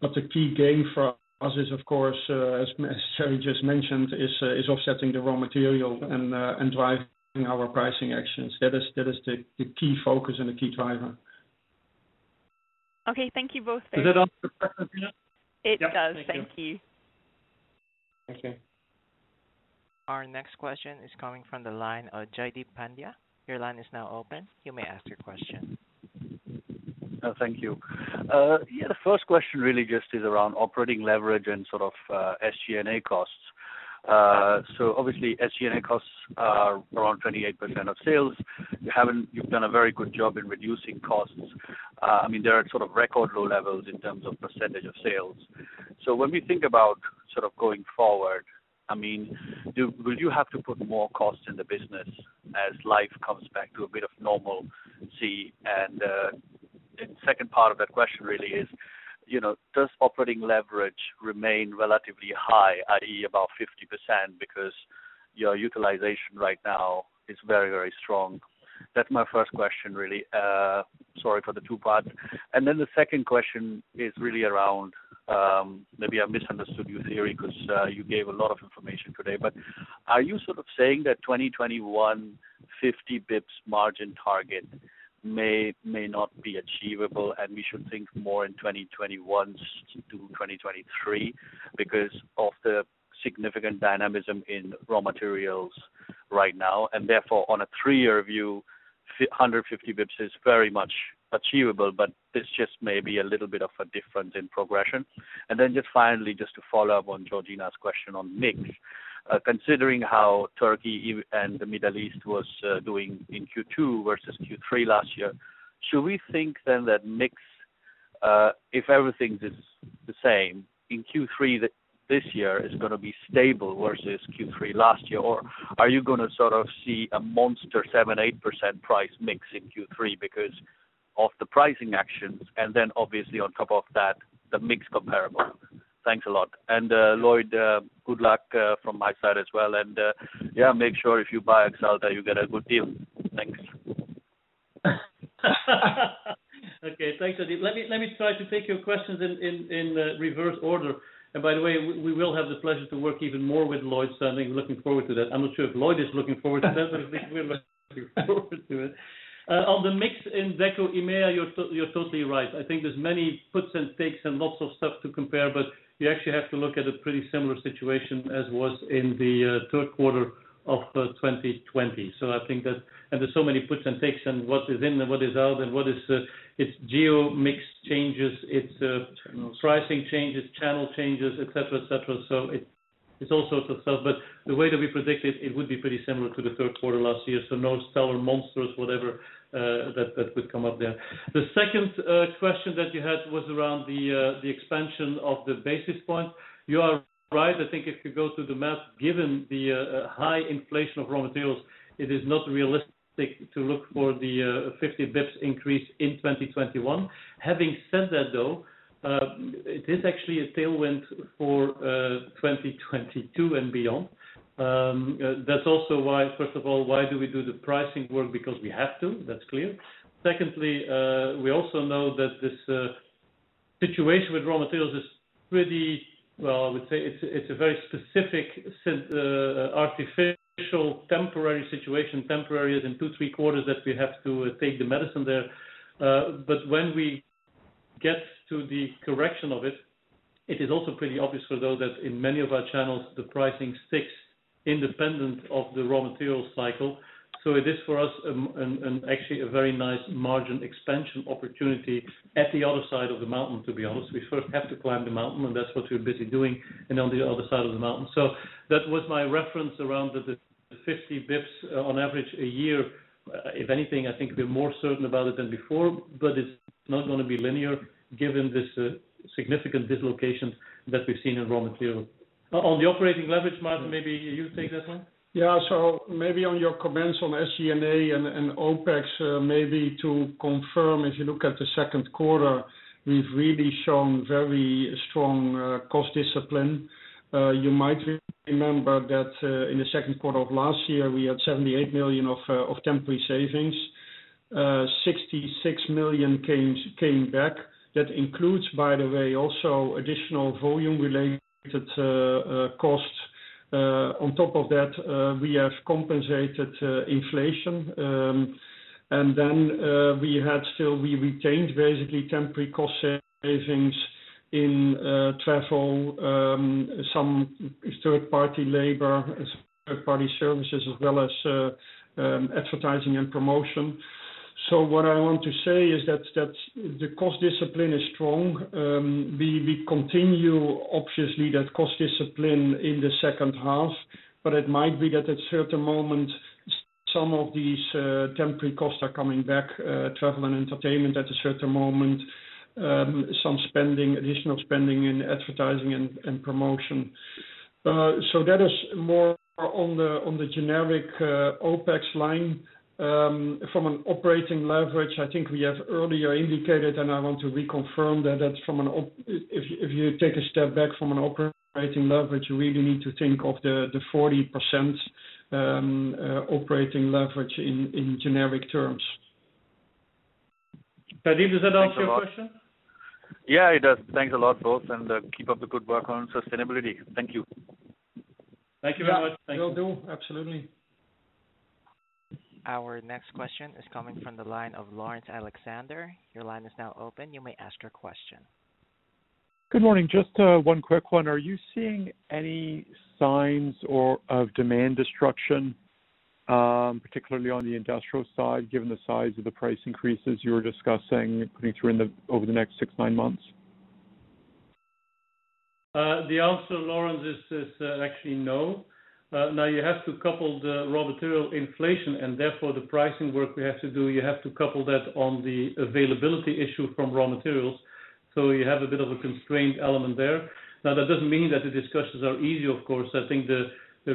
but the key gain for us is of course, as Thierry just mentioned, is offsetting the raw material and driving our pricing actions. That is the key focus and the key driver. Okay, thank you both. Does that answer your question, Georgina? It does. Yeah. Thank you. Thank you. Okay. Our next question is coming from the line, Jaideep Pandya. Your line is now open. You may ask your question. Thank you. Yeah, the first question really just is around operating leverage and sort of SG&A costs. Obviously, SG&A costs are around 28% of sales. You've done a very good job in reducing costs. There are sort of record low levels in terms of percentage of sales. When we think about going forward, will you have to put more costs in the business as life comes back to a bit of normalcy? The second part of that question really is, does operating leverage remain relatively high, i.e., about 50% because your utilization right now is very, very strong? That's my first question, really. Sorry for the 2 parts. The second question is really around, maybe I misunderstood you, Thierry, because you gave a lot of information today, but are you sort of saying that 2021 50 basis points margin target may not be achievable and we should think more in 2021 to 2023 because of the significant dynamism in raw materials right now, and therefore on a three-year view, 150 basis points is very much achievable, but this just may be a little bit of a difference in progression? Just finally, just to follow up on Georgina's question on mix. Considering how Turkey and the Middle East was doing in Q2 versus Q3 last year, should we think then that mix, if everything is the same in Q3 this year, is going to be stable versus Q3 last year? Are you going to sort of see a monster 7%-8% price mix in Q3 because of the pricing actions and then obviously on top of that, the mix comparable? Thanks a lot. Lloyd, good luck from my side as well, and yeah, make sure if you buy AkzoNobel that you get a good deal. Thanks. Thanks, Jaideep. Let me try to take your questions in reverse order. By the way, we will have the pleasure to work even more with Lloyd. I'm looking forward to that. I'm not sure if Lloyd is looking forward to that. We're looking forward to it. On the mix in Deco EMEA, you're totally right. I think there's many puts and takes and lots of stuff to compare. You actually have to look at a pretty similar situation as was in the third quarter of 2020. There's so many puts and takes and what is in and what is out. Its geo mix changes, its pricing changes, channel changes, et cetera. It's all sorts of stuff. The way that we predict it would be pretty similar to the third quarter last year. No stellar monsters, whatever, that could come up there. The second question that you had was around the expansion of the basis point. You are right. I think if you go through the math, given the high inflation of raw materials, it is not realistic to look for the 50 bps increase in 2021. Having said that, though, it is actually a tailwind for 2022 and beyond. That's also why, first of all, why do we do the pricing work? Because we have to, that's clear. Secondly, we also know that this situation with raw materials is Well, I would say it's a very specific, artificial, temporary situation. Temporary as in two, three quarters that we have to take the medicine there. When we get to the correction of it is also pretty obvious though, that in many of our channels, the pricing sticks independent of the raw material cycle. It is for us, actually a very nice margin expansion opportunity at the other side of the mountain, to be honest. We first have to climb the mountain, and that's what we're busy doing and on the other side of the mountain. That was my reference around the 50 basis points on average a year. If anything, I think we're more certain about it than before, but it's not going to be linear given this significant dislocation that we've seen in raw material. On the operating leverage margin, maybe you take that one? Maybe on your comments on SG&A and OPEX, maybe to confirm, if you look at the second quarter, we've really shown very strong cost discipline. You might remember that in the second quarter of last year, we had 78 million of temporary savings. 66 million came back. That includes, by the way, also additional volume-related costs. On top of that, we have compensated inflation. We retained basically temporary cost savings in travel, some third-party labor, third-party services, as well as advertising and promotion. What I want to say is that the cost discipline is strong. We continue, obviously, that cost discipline in the second half, but it might be that at a certain moment, some of these temporary costs are coming back, travel and entertainment at a certain moment, some additional spending in advertising and promotion. That is more on the generic OPEX line. From an operating leverage, I think we have earlier indicated, and I want to reconfirm that if you take a step back from an operating leverage, you really need to think of the 40% operating leverage in generic terms. Jaideep Pandya, does that answer your question? Yeah, it does. Thanks a lot, both, and keep up the good work on sustainability. Thank you. Thank you very much. Will do. Absolutely. Our next question is coming from the line of Laurence Alexander. Your line is now open. You may ask your question. Good morning. Just one quick one. Are you seeing any signs of demand destruction, particularly on the industrial side, given the size of the price increases you were discussing putting through over the next six, nine months? The answer, Laurence, is actually no. You have to couple the raw material inflation, and therefore the pricing work we have to do, you have to couple that on the availability issue from raw materials. You have a bit of a constraint element there. That doesn't mean that the discussions are easy, of course. I think there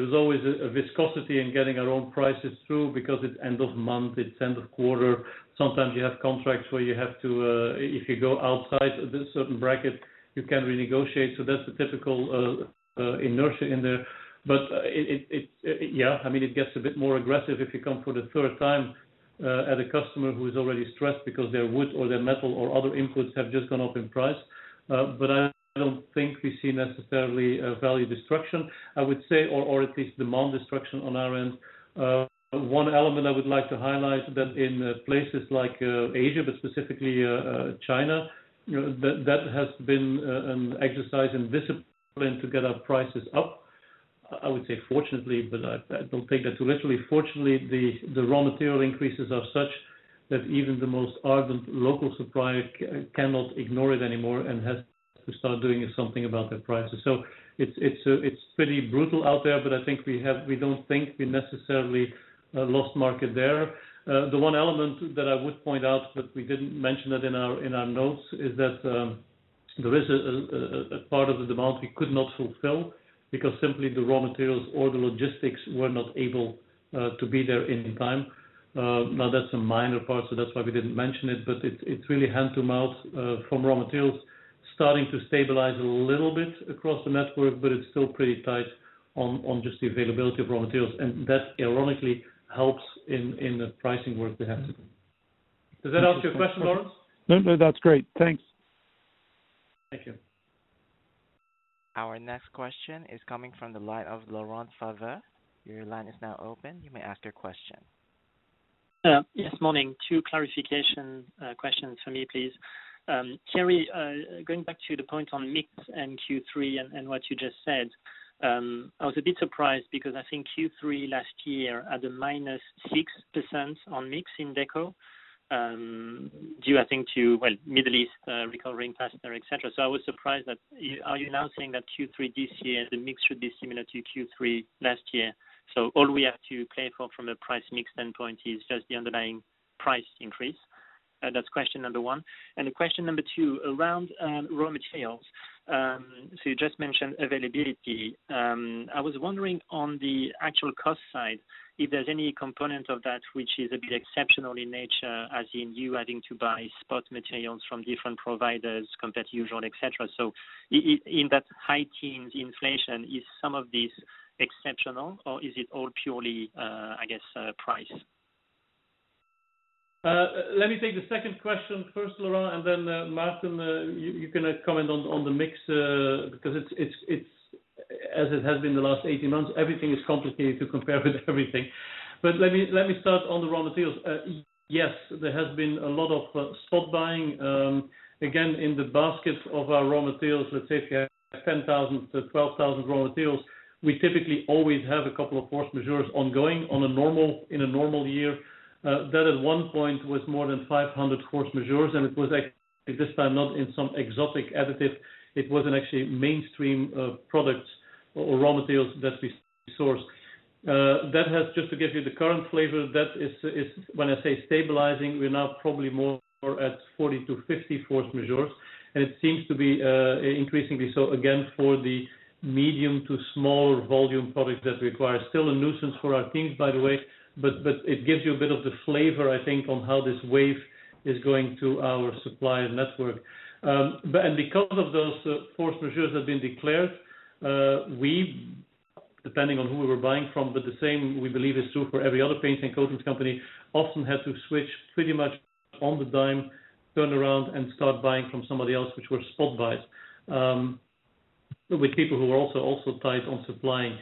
is always a viscosity in getting our own prices through, because it's end of month, it's end of quarter. Sometimes you have contracts where if you go outside this certain bracket, you can renegotiate. That's the typical inertia in there. It gets a bit more aggressive if you come for the third time at a customer who is already stressed because their wood or their metal or other inputs have just gone up in price. I don't think we see necessarily a value destruction, I would say, or at least demand destruction on our end. One element I would like to highlight that in places like Asia, but specifically China, that has been an exercise in discipline to get our prices up. I would say fortunately, but don't take that too literally. Fortunately, the raw material increases are such that even the most ardent local supplier cannot ignore it anymore and has to start doing something about their prices. It's pretty brutal out there, but I think we don't think we necessarily lost market there. The one element that I would point out, but we didn't mention it in our notes, is that there is a part of the demand we could not fulfill because simply the raw materials or the logistics were not able to be there in time. That's a minor part, so that's why we didn't mention it, but it's really hand to mouth from raw materials starting to stabilize a little bit across the network, but it's still pretty tight on just the availability of raw materials. That ironically helps in the pricing work we have to do. Does that answer your question, Laurence? No, that's great. Thanks. Thank you. Our next question is coming from the line of Laurent Favre. Your line is now open. You may ask your question. Yes, morning. Two clarification questions for me, please. Thierry, going back to the point on mix and Q3 and what you just said, I was a bit surprised because I think Q3 last year had a -6% on mix in Decorative Paints, due, I think to, Middle East recovering faster, et cetera. I was surprised. Are you now saying that Q3 this year, the mix should be similar to Q3 last year? All we have to play for from a price mix standpoint is just the underlying price increase? That's question number one. Question number two, around raw materials. You just mentioned availability. I was wondering on the actual cost side, if there's any component of that which is a bit exceptional in nature, as in you having to buy spot materials from different providers compared to usual, et cetera. In that high teens inflation, is some of this exceptional or is it all purely, I guess, price? Let me take the second question first, Laurent, and then Maarten, you can comment on the mix because as it has been the last 18 months, everything is complicated to compare with everything. Let me start on the raw materials. Yes, there has been a lot of spot buying. Again, in the basket of our raw materials, let's say if you have 10,000 to 12,000 raw materials, we typically always have a couple of force majeures ongoing in a normal year. That at one point was more than 500 force majeures, and it was actually this time not in some exotic additive. It was in actually mainstream products or raw materials that we source. Just to give you the current flavor, when I say stabilizing, we're now probably more at 40-50 force majeures, and it seems to be increasingly so, again, for the medium to small volume products that require. Still a nuisance for our teams, by the way, but it gives you a bit of the flavor, I think, on how this wave is going to our supply network. Because of those force majeures have been declared, we, depending on who we're buying from, but the same, we believe is true for every other paint and coatings company, often had to switch pretty much on the dime, turn around and start buying from somebody else, which were spot buys with people who were also tight on supplying.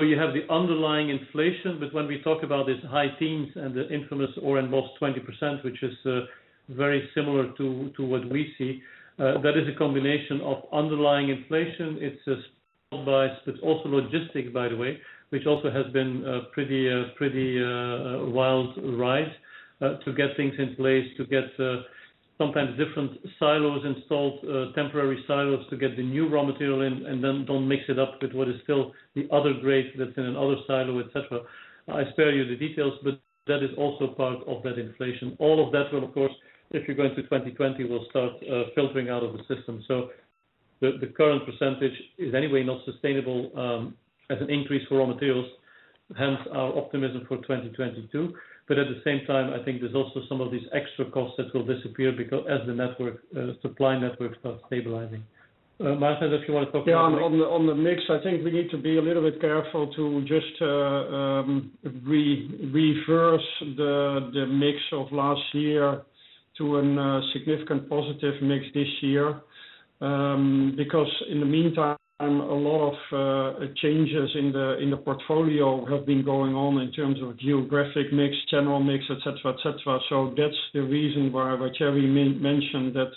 You have the underlying inflation, but when we talk about these high teens and the infamous or almost 20%, which is very similar to what we see, that is a combination of underlying inflation. It's a spot buys, but also logistics, by the way, which also has been a pretty wild ride to get things in place, to get sometimes different silos installed, temporary silos to get the new raw material in and then don't mix it up with what is still the other grade that's in an other silo, et cetera. I spare you the details, but that is also part of that inflation. All of that will, of course, if you go into 2020, will start filtering out of the system. The current percentage is anyway not sustainable as an increase for raw materials, hence our optimism for 2022. At the same time, I think there's also some of these extra costs that will disappear as the supply network starts stabilizing. Maarten, if you want to talk about mix. Yeah, on the mix, I think we need to be a little bit careful to just reverse the mix of last year to a significant positive mix this year, because in the meantime, a lot of changes in the portfolio have been going on in terms of geographic mix, general mix, et cetera. That's the reason why Thierry mentioned that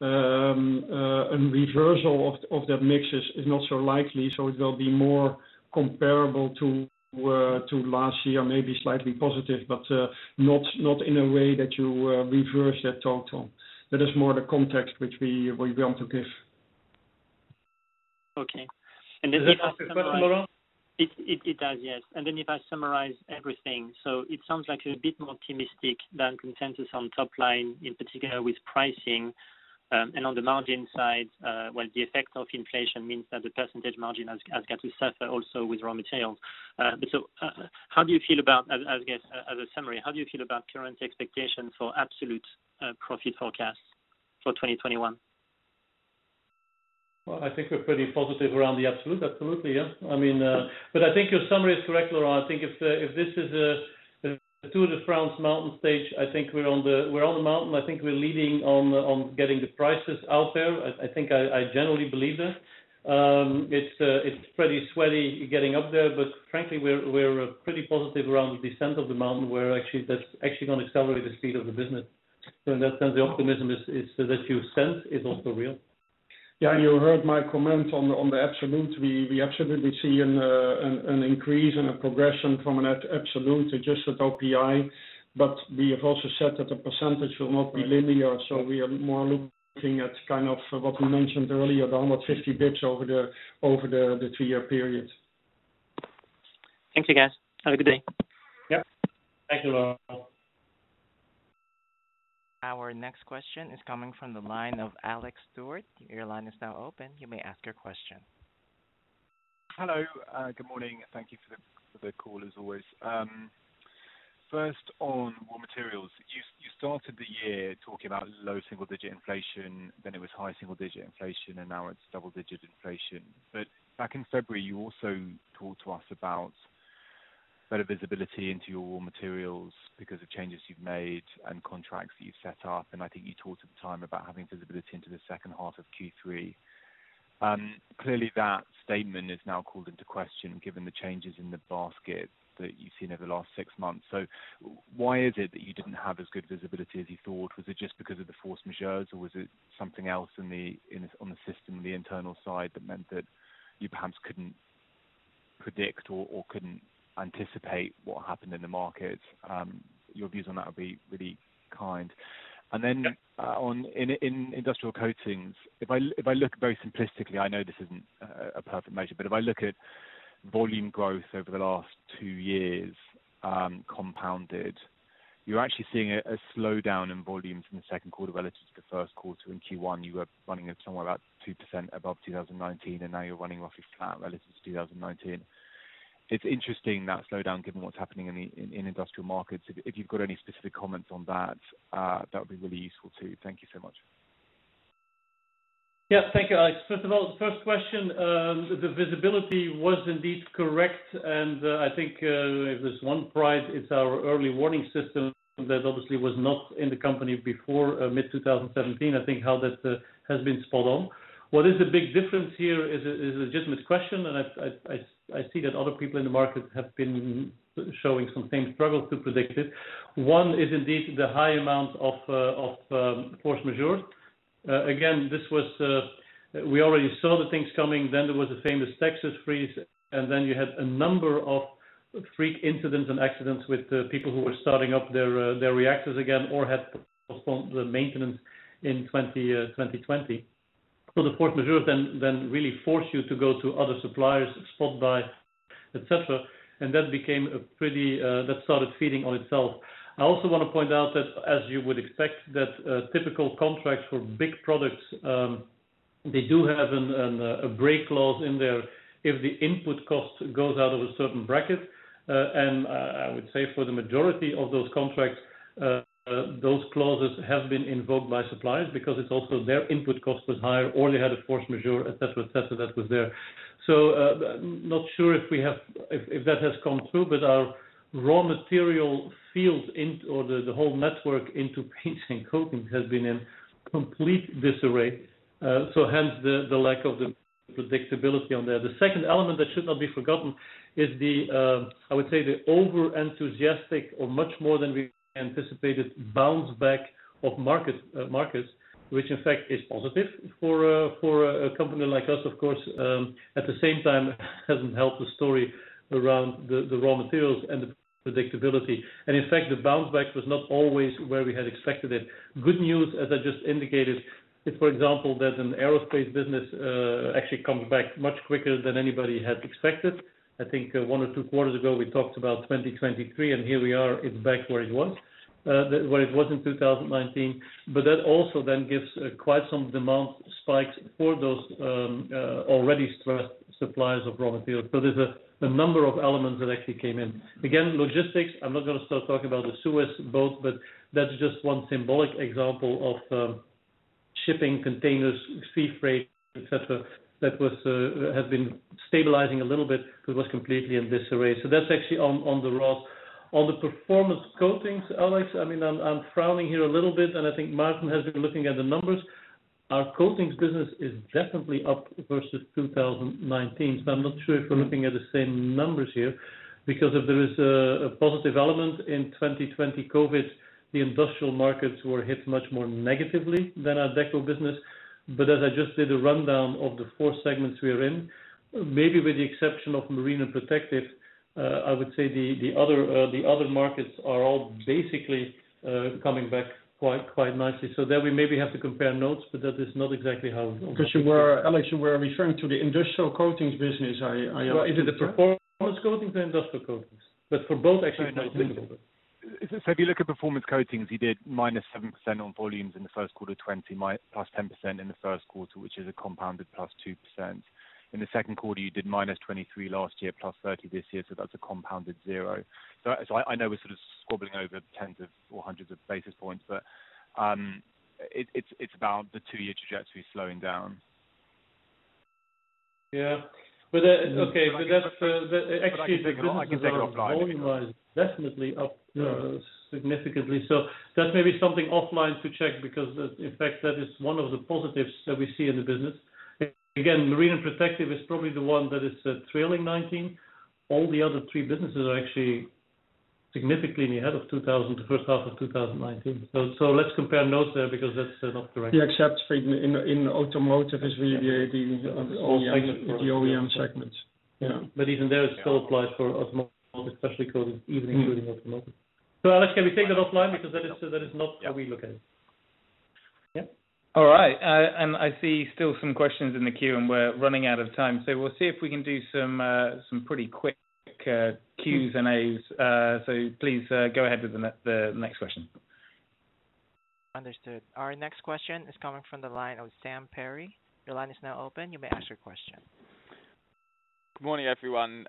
a reversal of that mix is not so likely. It will be more comparable to last year, maybe slightly positive, but not in a way that you reverse that total. That is more the context which we want to give. Okay. Does that answer the question, Laurent? It does, yes. If I summarize everything, it sounds like you're a bit more optimistic than consensus on top line, in particular with pricing. On the margin side, while the effect of inflation means that the percentage margin has got to suffer also with raw materials. How do you feel about, I guess, as a summary, how do you feel about current expectation for absolute profit forecasts for 2021? Well, I think we're pretty positive around the absolute. Absolutely, yeah. I think your summary is correct, Laurent. I think if this is a Tour de France mountain stage, I think we're on the mountain. I think we're leading on getting the prices out there. I think I generally believe that. It's pretty sweaty getting up there, frankly, we're pretty positive around the descent of the mountain, where actually that's actually going to accelerate the speed of the business. In that sense, the optimism that you sense is also real. You heard my comment on the absolute. We absolutely see an increase and a progression from an absolute adjusted OPI, but we have also said that the percentage will not be linear, so we are more looking at kind of what we mentioned earlier, the 150 bps over the three-year period. Thanks, you guys. Have a good day. Yep. Thank you, Laurent. Our next question is coming from the line of Alex Stewart. Your line is now open. You may ask your question. Hello, good morning. Thank you for the call, as always. First on raw materials. You started the year talking about low single-digit inflation, then it was high single-digit inflation, and now it's double-digit inflation. Back in February, you also talked to us about better visibility into your raw materials because of changes you've made and contracts that you've set up. I think you talked at the time about having visibility into the second half of Q3. Clearly that statement is now called into question given the changes in the basket that you've seen over the last six months. Why is it that you didn't have as good visibility as you thought? Was it just because of the force majeures, or was it something else on the system, the internal side, that meant that you perhaps couldn't predict or couldn't anticipate what happened in the market? Your views on that would be really kind. Then in Industrial Coatings, if I look very simplistically, I know this isn't a perfect measure, but if I look at volume growth over the last two years, compounded, you're actually seeing a slowdown in volume from the second quarter relative to the first quarter. In Q1, you were running at somewhere about 2% above 2019, and now you're running roughly flat relative to 2019. It's interesting, that slowdown, given what's happening in industrial markets. If you've got any specific comments on that would be really useful, too. Thank you so much. Thank you, Alex. First of all, the first question, the visibility was indeed correct, and I think if there's 1 prize, it's our early warning system that obviously was not in the company before mid-2017. I think how that has been spot on. What is a big difference here is a legitimate question, and I see that other people in the market have been showing some same struggles to predict it. One is indeed the high amount of force majeures. Again, we already saw the things coming, then there was the famous Texas freeze, and then you had a number of freak incidents and accidents with people who were starting up their reactors again or had postponed the maintenance in 2020. So the force majeure then really force you to go to other suppliers, spot buy, et cetera, and that started feeding on itself. I also want to point out that as you would expect, that typical contracts for big products, they do have a break clause in there if the input cost goes out of a certain bracket. I would say for the majority of those contracts, those clauses have been invoked by suppliers because it's also their input cost was higher, or they had a force majeure, et cetera, that was there. Not sure if that has come through, but our raw material field or the whole network into paints and coatings has been in complete disarray. Hence the lack of the predictability on there. The second element that should not be forgotten is the, I would say the over-enthusiastic or much more than we anticipated bounce back of markets, which in fact is positive for a company like us, of course. At the same time, hasn't helped the story around the raw materials and the predictability. In fact, the bounce back was not always where we had expected it. Good news, as I just indicated, is, for example, that an aerospace business actually comes back much quicker than anybody had expected. I think one or two quarters ago, we talked about 2023, and here we are, it's back where it was in 2019. That also then gives quite some demand spikes for those already stressed suppliers of raw materials. There's a number of elements that actually came in. Again, logistics, I'm not going to start talking about the Suez boat, that's just one symbolic example of shipping containers, sea freight, et cetera, that has been stabilizing a little bit. It was completely in disarray. That's actually on the raw. On the Performance Coatings, Alex, I'm frowning here a little bit, and I think Maarten de Vries has been looking at the numbers. Our coatings business is definitely up versus 2019. I'm not sure if we're looking at the same numbers here, because if there is a positive element in 2020 COVID, the industrial markets were hit much more negatively than our Deco business. As I just did a rundown of the four segments we are in, maybe with the exception of Marine and Protective, I would say the other markets are all basically coming back quite nicely. There we maybe have to compare notes, but that is not exactly how. Because you were, Alex, referring to the Industrial Coatings business. Well, is it the Performance Coatings or Industrial Coatings? For both, actually. If you look at Performance Coatings, you did minus 7% on volumes in the first quarter 2020, plus 10% in the first quarter, which is a compounded plus 2%. In the second quarter, you did minus 23% last year, plus 30% this year, that's a compounded zero. I know we're sort of squabbling over tens of or hundreds of basis points, but it's about the two-year trajectory slowing down. Yeah. I can take it offline. The business volume-wise, definitely up significantly. That may be something offline to check because in fact, that is one of the positives that we see in the business. Again, Marine and Protective is probably the one that is trailing 2019. All the other three businesses are actually significantly ahead of the first half of 2019. Let's compare notes there because that's not correct. The exception in automotive is really. OEM the OEM segments. Yeah. Even there it still applies for Automotive Specialty Coatings, even including automotive. Alex, can we take that offline because that is not how we look at it. Yeah. All right. I see still some questions in the queue and we're running out of time, we'll see if we can do some pretty quick Qs and As. Please go ahead with the next question. Understood. Our next question is coming from the line of Sam Perry. Your line is now open. You may ask your question. Good morning, everyone.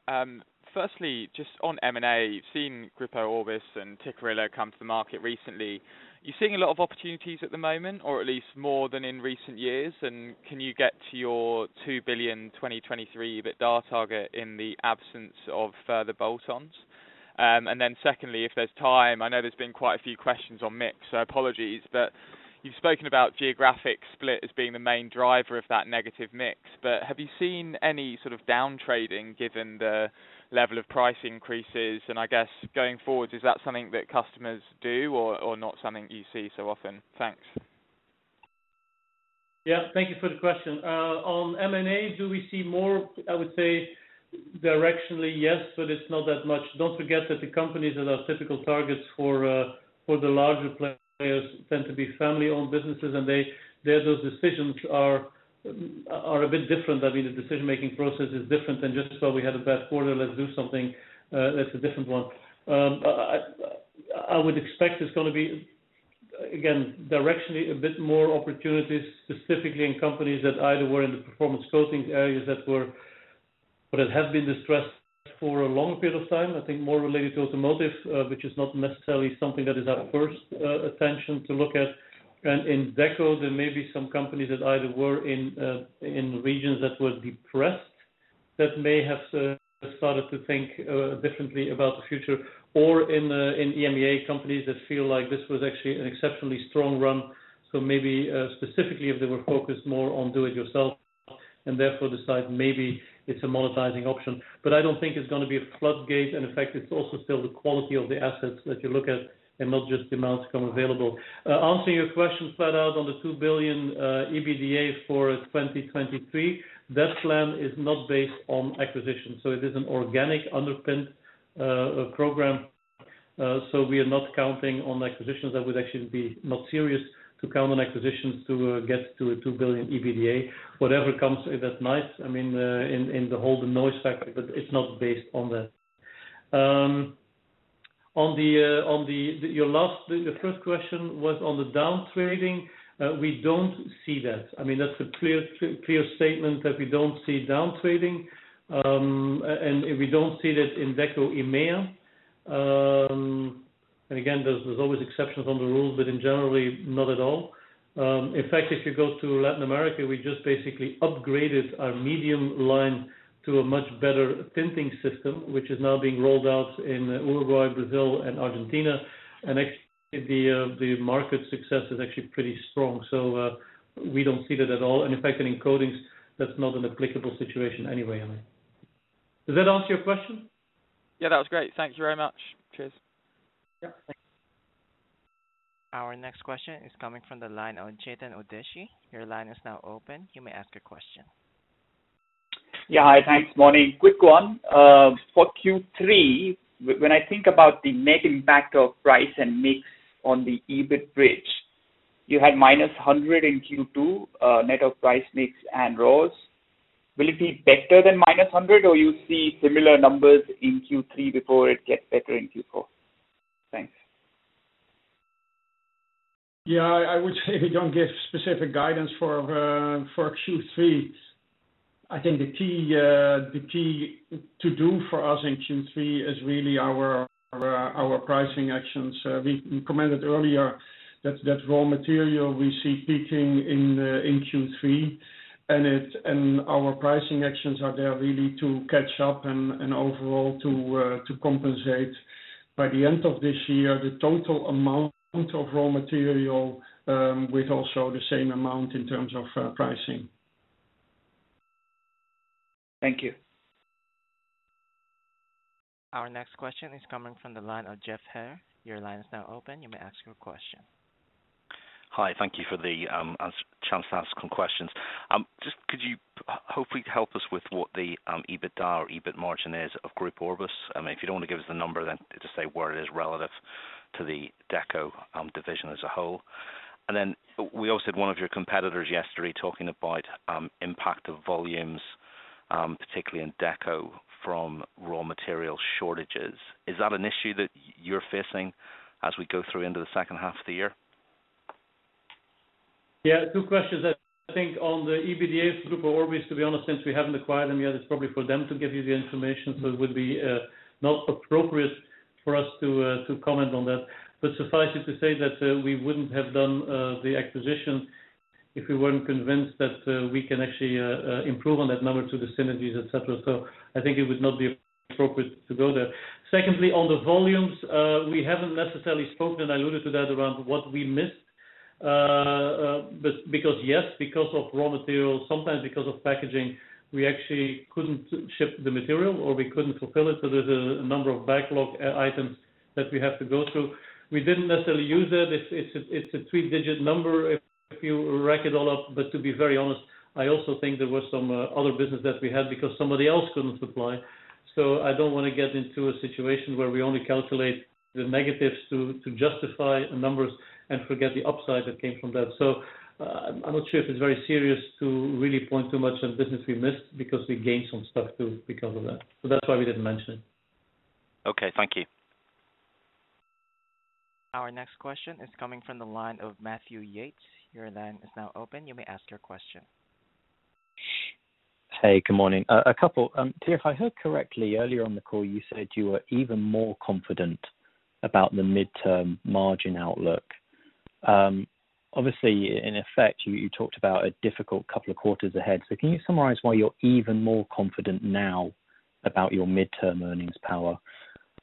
Firstly, just on M&A, you've seen Grupo Orbis and Tikkurila come to the market recently. You're seeing a lot of opportunities at the moment, or at least more than in recent years, and can you get to your 2 billion 2023 EBITDA target in the absence of further bolt-ons? Secondly, if there's time, I know there's been quite a few questions on mix, so apologies, but you've spoken about geographic split as being the main driver of that negative mix, but have you seen any sort of down trading given the level of price increases and I guess going forward, is that something that customers do or not something you see so often? Thanks. Thank you for the question. On M&A, do we see more? I would say directionally, yes, but it's not that much. Don't forget that the companies that are typical targets for the larger players tend to be family-owned businesses, and those decisions are a bit different. The decision-making process is different than just, "Well, we had a bad quarter, let's do something." That's a different one. I would expect it's going to be, again, directionally a bit more opportunities, specifically in companies that either were in the Performance Coatings areas that have been distressed for a long period of time, I think more related to automotive, which is not necessarily something that is our first attention to look at. In Deco, there may be some companies that either were in regions that were depressed that may have started to think differently about the future, or in EMEA, companies that feel like this was actually an exceptionally strong run. Maybe, specifically if they were focused more on do it yourself and therefore decide maybe it's a monetizing option. I don't think it's going to be a floodgate, and in fact, it's also still the quality of the assets that you look at and not just demands come available. Answering your question flat out on the 2 billion EBITDA for 2023, that plan is not based on acquisition. It is an organic underpinned program. We are not counting on acquisitions. That would actually be not serious to count on acquisitions to get to a 2 billion EBITDA. Whatever comes, if that's nice, in the whole noise factor, but it's not based on that. Your first question was on the down-trading. We don't see that. That's a clear statement that we don't see down-trading, and we don't see that in Deco EMEA. Again, there's always exceptions on the rules, but in general, not at all. In fact, if you go to Latin America, we just basically upgraded our medium line to a much better tinting system, which is now being rolled out in Uruguay, Brazil and Argentina. The market success is actually pretty strong. We don't see that at all. In fact, in coatings, that's not an applicable situation anyway, Sam. Does that answer your question? Yeah, that was great. Thank you very much. Cheers. Yeah. Thanks. Our next question is coming from the line of Chetan Udeshi. Your line is now open. You may ask your question. Yeah, hi. Thanks. Morning. Quick one. For Q3, when I think about the net impact of price and mix on the EBIT bridge, you had -100 in Q2, net of price mix and raws. Will it be better than -100, or you see similar numbers in Q3 before it gets better in Q4? Thanks. Yeah. I would say we don't give specific guidance for Q3. I think the key to-do for us in Q3 is really our pricing actions. We commented earlier that raw material we see peaking in Q3, and our pricing actions are there really to catch up and overall to compensate by the end of this year, the total amount of raw material, with also the same amount in terms of pricing. Thank you. Our next question is coming from the line of Geoff Haire. Your line is now open. You may ask your question. Hi. Thank you for the chance to ask some questions. Just could you hopefully help us with what the EBITDA or EBIT margin is of Grupo Orbis? If you don't want to give us the number, then just say where it is relative to the Deco division as a whole. We also had one of your competitors yesterday talking about impact of volumes, particularly in Deco from raw material shortages. Is that an issue that you're facing as we go through into the second half of the year? Yeah. Two questions. I think on the EBITDA for Grupo Orbis, to be honest, since we haven't acquired them yet, it's probably for them to give you the information. It would be not appropriate for us to comment on that. Suffice it to say that we wouldn't have done the acquisition if we weren't convinced that we can actually improve on that number to the synergies, et cetera. I think it would not be appropriate to go there. Secondly, on the volumes, we haven't necessarily spoken, and I alluded to that around what we missed. Because, yes, because of raw materials, sometimes because of packaging, we actually couldn't ship the material or we couldn't fulfill it. There's a number of backlog items that we have to go through. We didn't necessarily use that. It's a three-digit number if you rack it all up. To be very honest, I also think there was some other business that we had because somebody else couldn't supply. I don't want to get into a situation where we only calculate the negatives to justify numbers and forget the upside that came from that. I'm not sure if it's very serious to really point too much on business we missed because we gained some stuff too because of that. That's why we didn't mention it. Okay. Thank you. Our next question is coming from the line of Matthew Yates. Your line is now open. You may ask your question. Hey, good morning. A couple. Theo, if I heard correctly earlier on the call, you said you were even more confident about the midterm margin outlook. Obviously, in effect, you talked about a difficult couple of quarters ahead. Can you summarize why you're even more confident now about your midterm earnings power?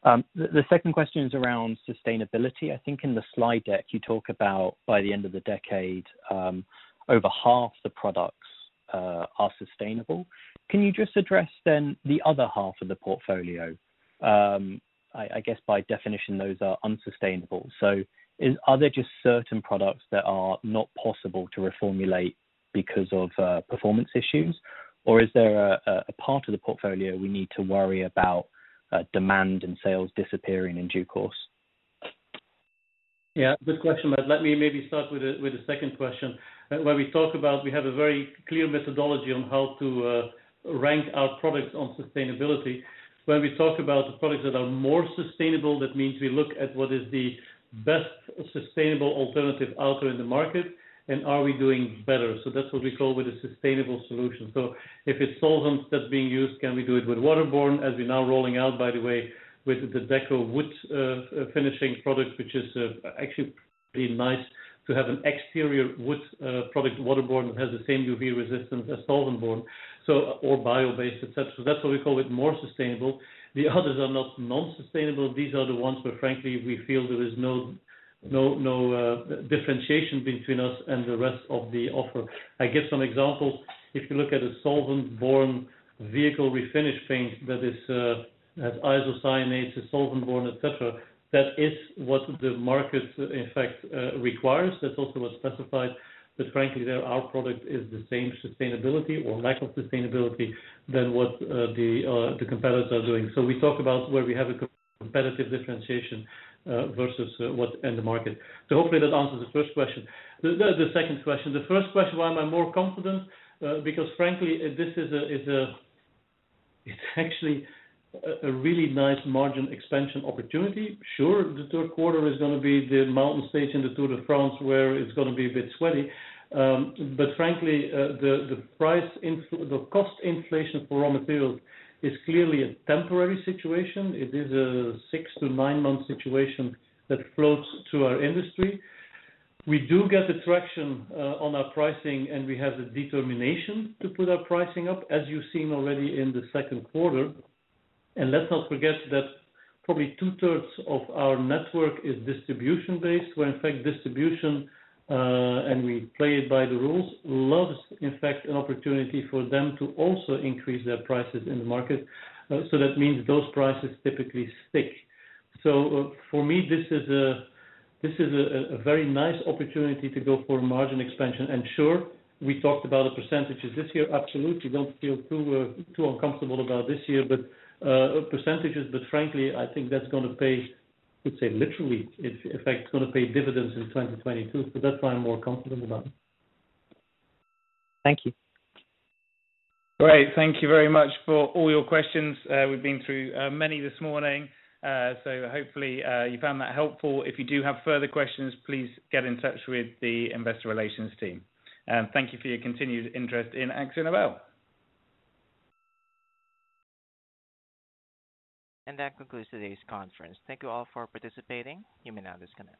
The second question is around sustainability. I think in the slide deck you talk about by the end of the decade, over half the products are sustainable. Can you just address the other half of the portfolio? I guess by definition, those are unsustainable. Are there just certain products that are not possible to reformulate because of performance issues? Is there a part of the portfolio we need to worry about demand and sales disappearing in due course? Yeah, good question, Matt. Let me maybe start with the second question. Where we talk about, we have a very clear methodology on how to rank our products on sustainability. Where we talk about the products that are more sustainable, that means we look at what is the best sustainable alternative out there in the market and are we doing better. That's what we call with a sustainable solution. If it's solvents that's being used, can we do it with waterborne, as we're now rolling out, by the way, with the Deco wood finishing product, which is actually pretty nice to have an exterior wood product waterborne that has the same UV resistance as solventborne, or bio-based, et cetera. That's why we call it more sustainable. The others are not non-sustainable. These are the ones where frankly, we feel there is no differentiation between us and the rest of the offer. I give some examples. If you look at a solventborne vehicle refinish paint that has isocyanate to solventborne, et cetera, that is what the market in fact, requires. That's also what's specified. Frankly, there our product is the same sustainability or lack of sustainability than what the competitors are doing. We talk about where we have a competitive differentiation versus what's in the market. Hopefully that answers the first question. The first question, why am I more confident? Frankly, it's actually a really nice margin expansion opportunity. Sure, the third quarter is going to be the mountain stage in the Tour de France, where it's going to be a bit sweaty. Frankly, the cost inflation for raw materials is clearly a temporary situation. It is a 6- to 9-month situation that flows through our industry. We do get the traction on our pricing, and we have the determination to put our pricing up, as you've seen already in the second quarter. Let's not forget that probably two-thirds of our network is distribution-based, where in fact distribution, and we play it by the rules, loves, in fact, an opportunity for them to also increase their prices in the market. That means those prices typically stick. For me, this is a very nice opportunity to go for margin expansion. Sure, we talked about the percentages this year, absolutely don't feel too uncomfortable about this year, but frankly, I think that's going to pay, I would say literally, in fact, it's going to pay dividends in 2022. That's why I'm more confident about it. Thank you. Great. Thank you very much for all your questions. We've been through many this morning, so hopefully you found that helpful. If you do have further questions, please get in touch with the investor relations team. Thank you for your continued interest in AkzoNobel. That concludes today's conference. Thank you all for participating. You may now disconnect.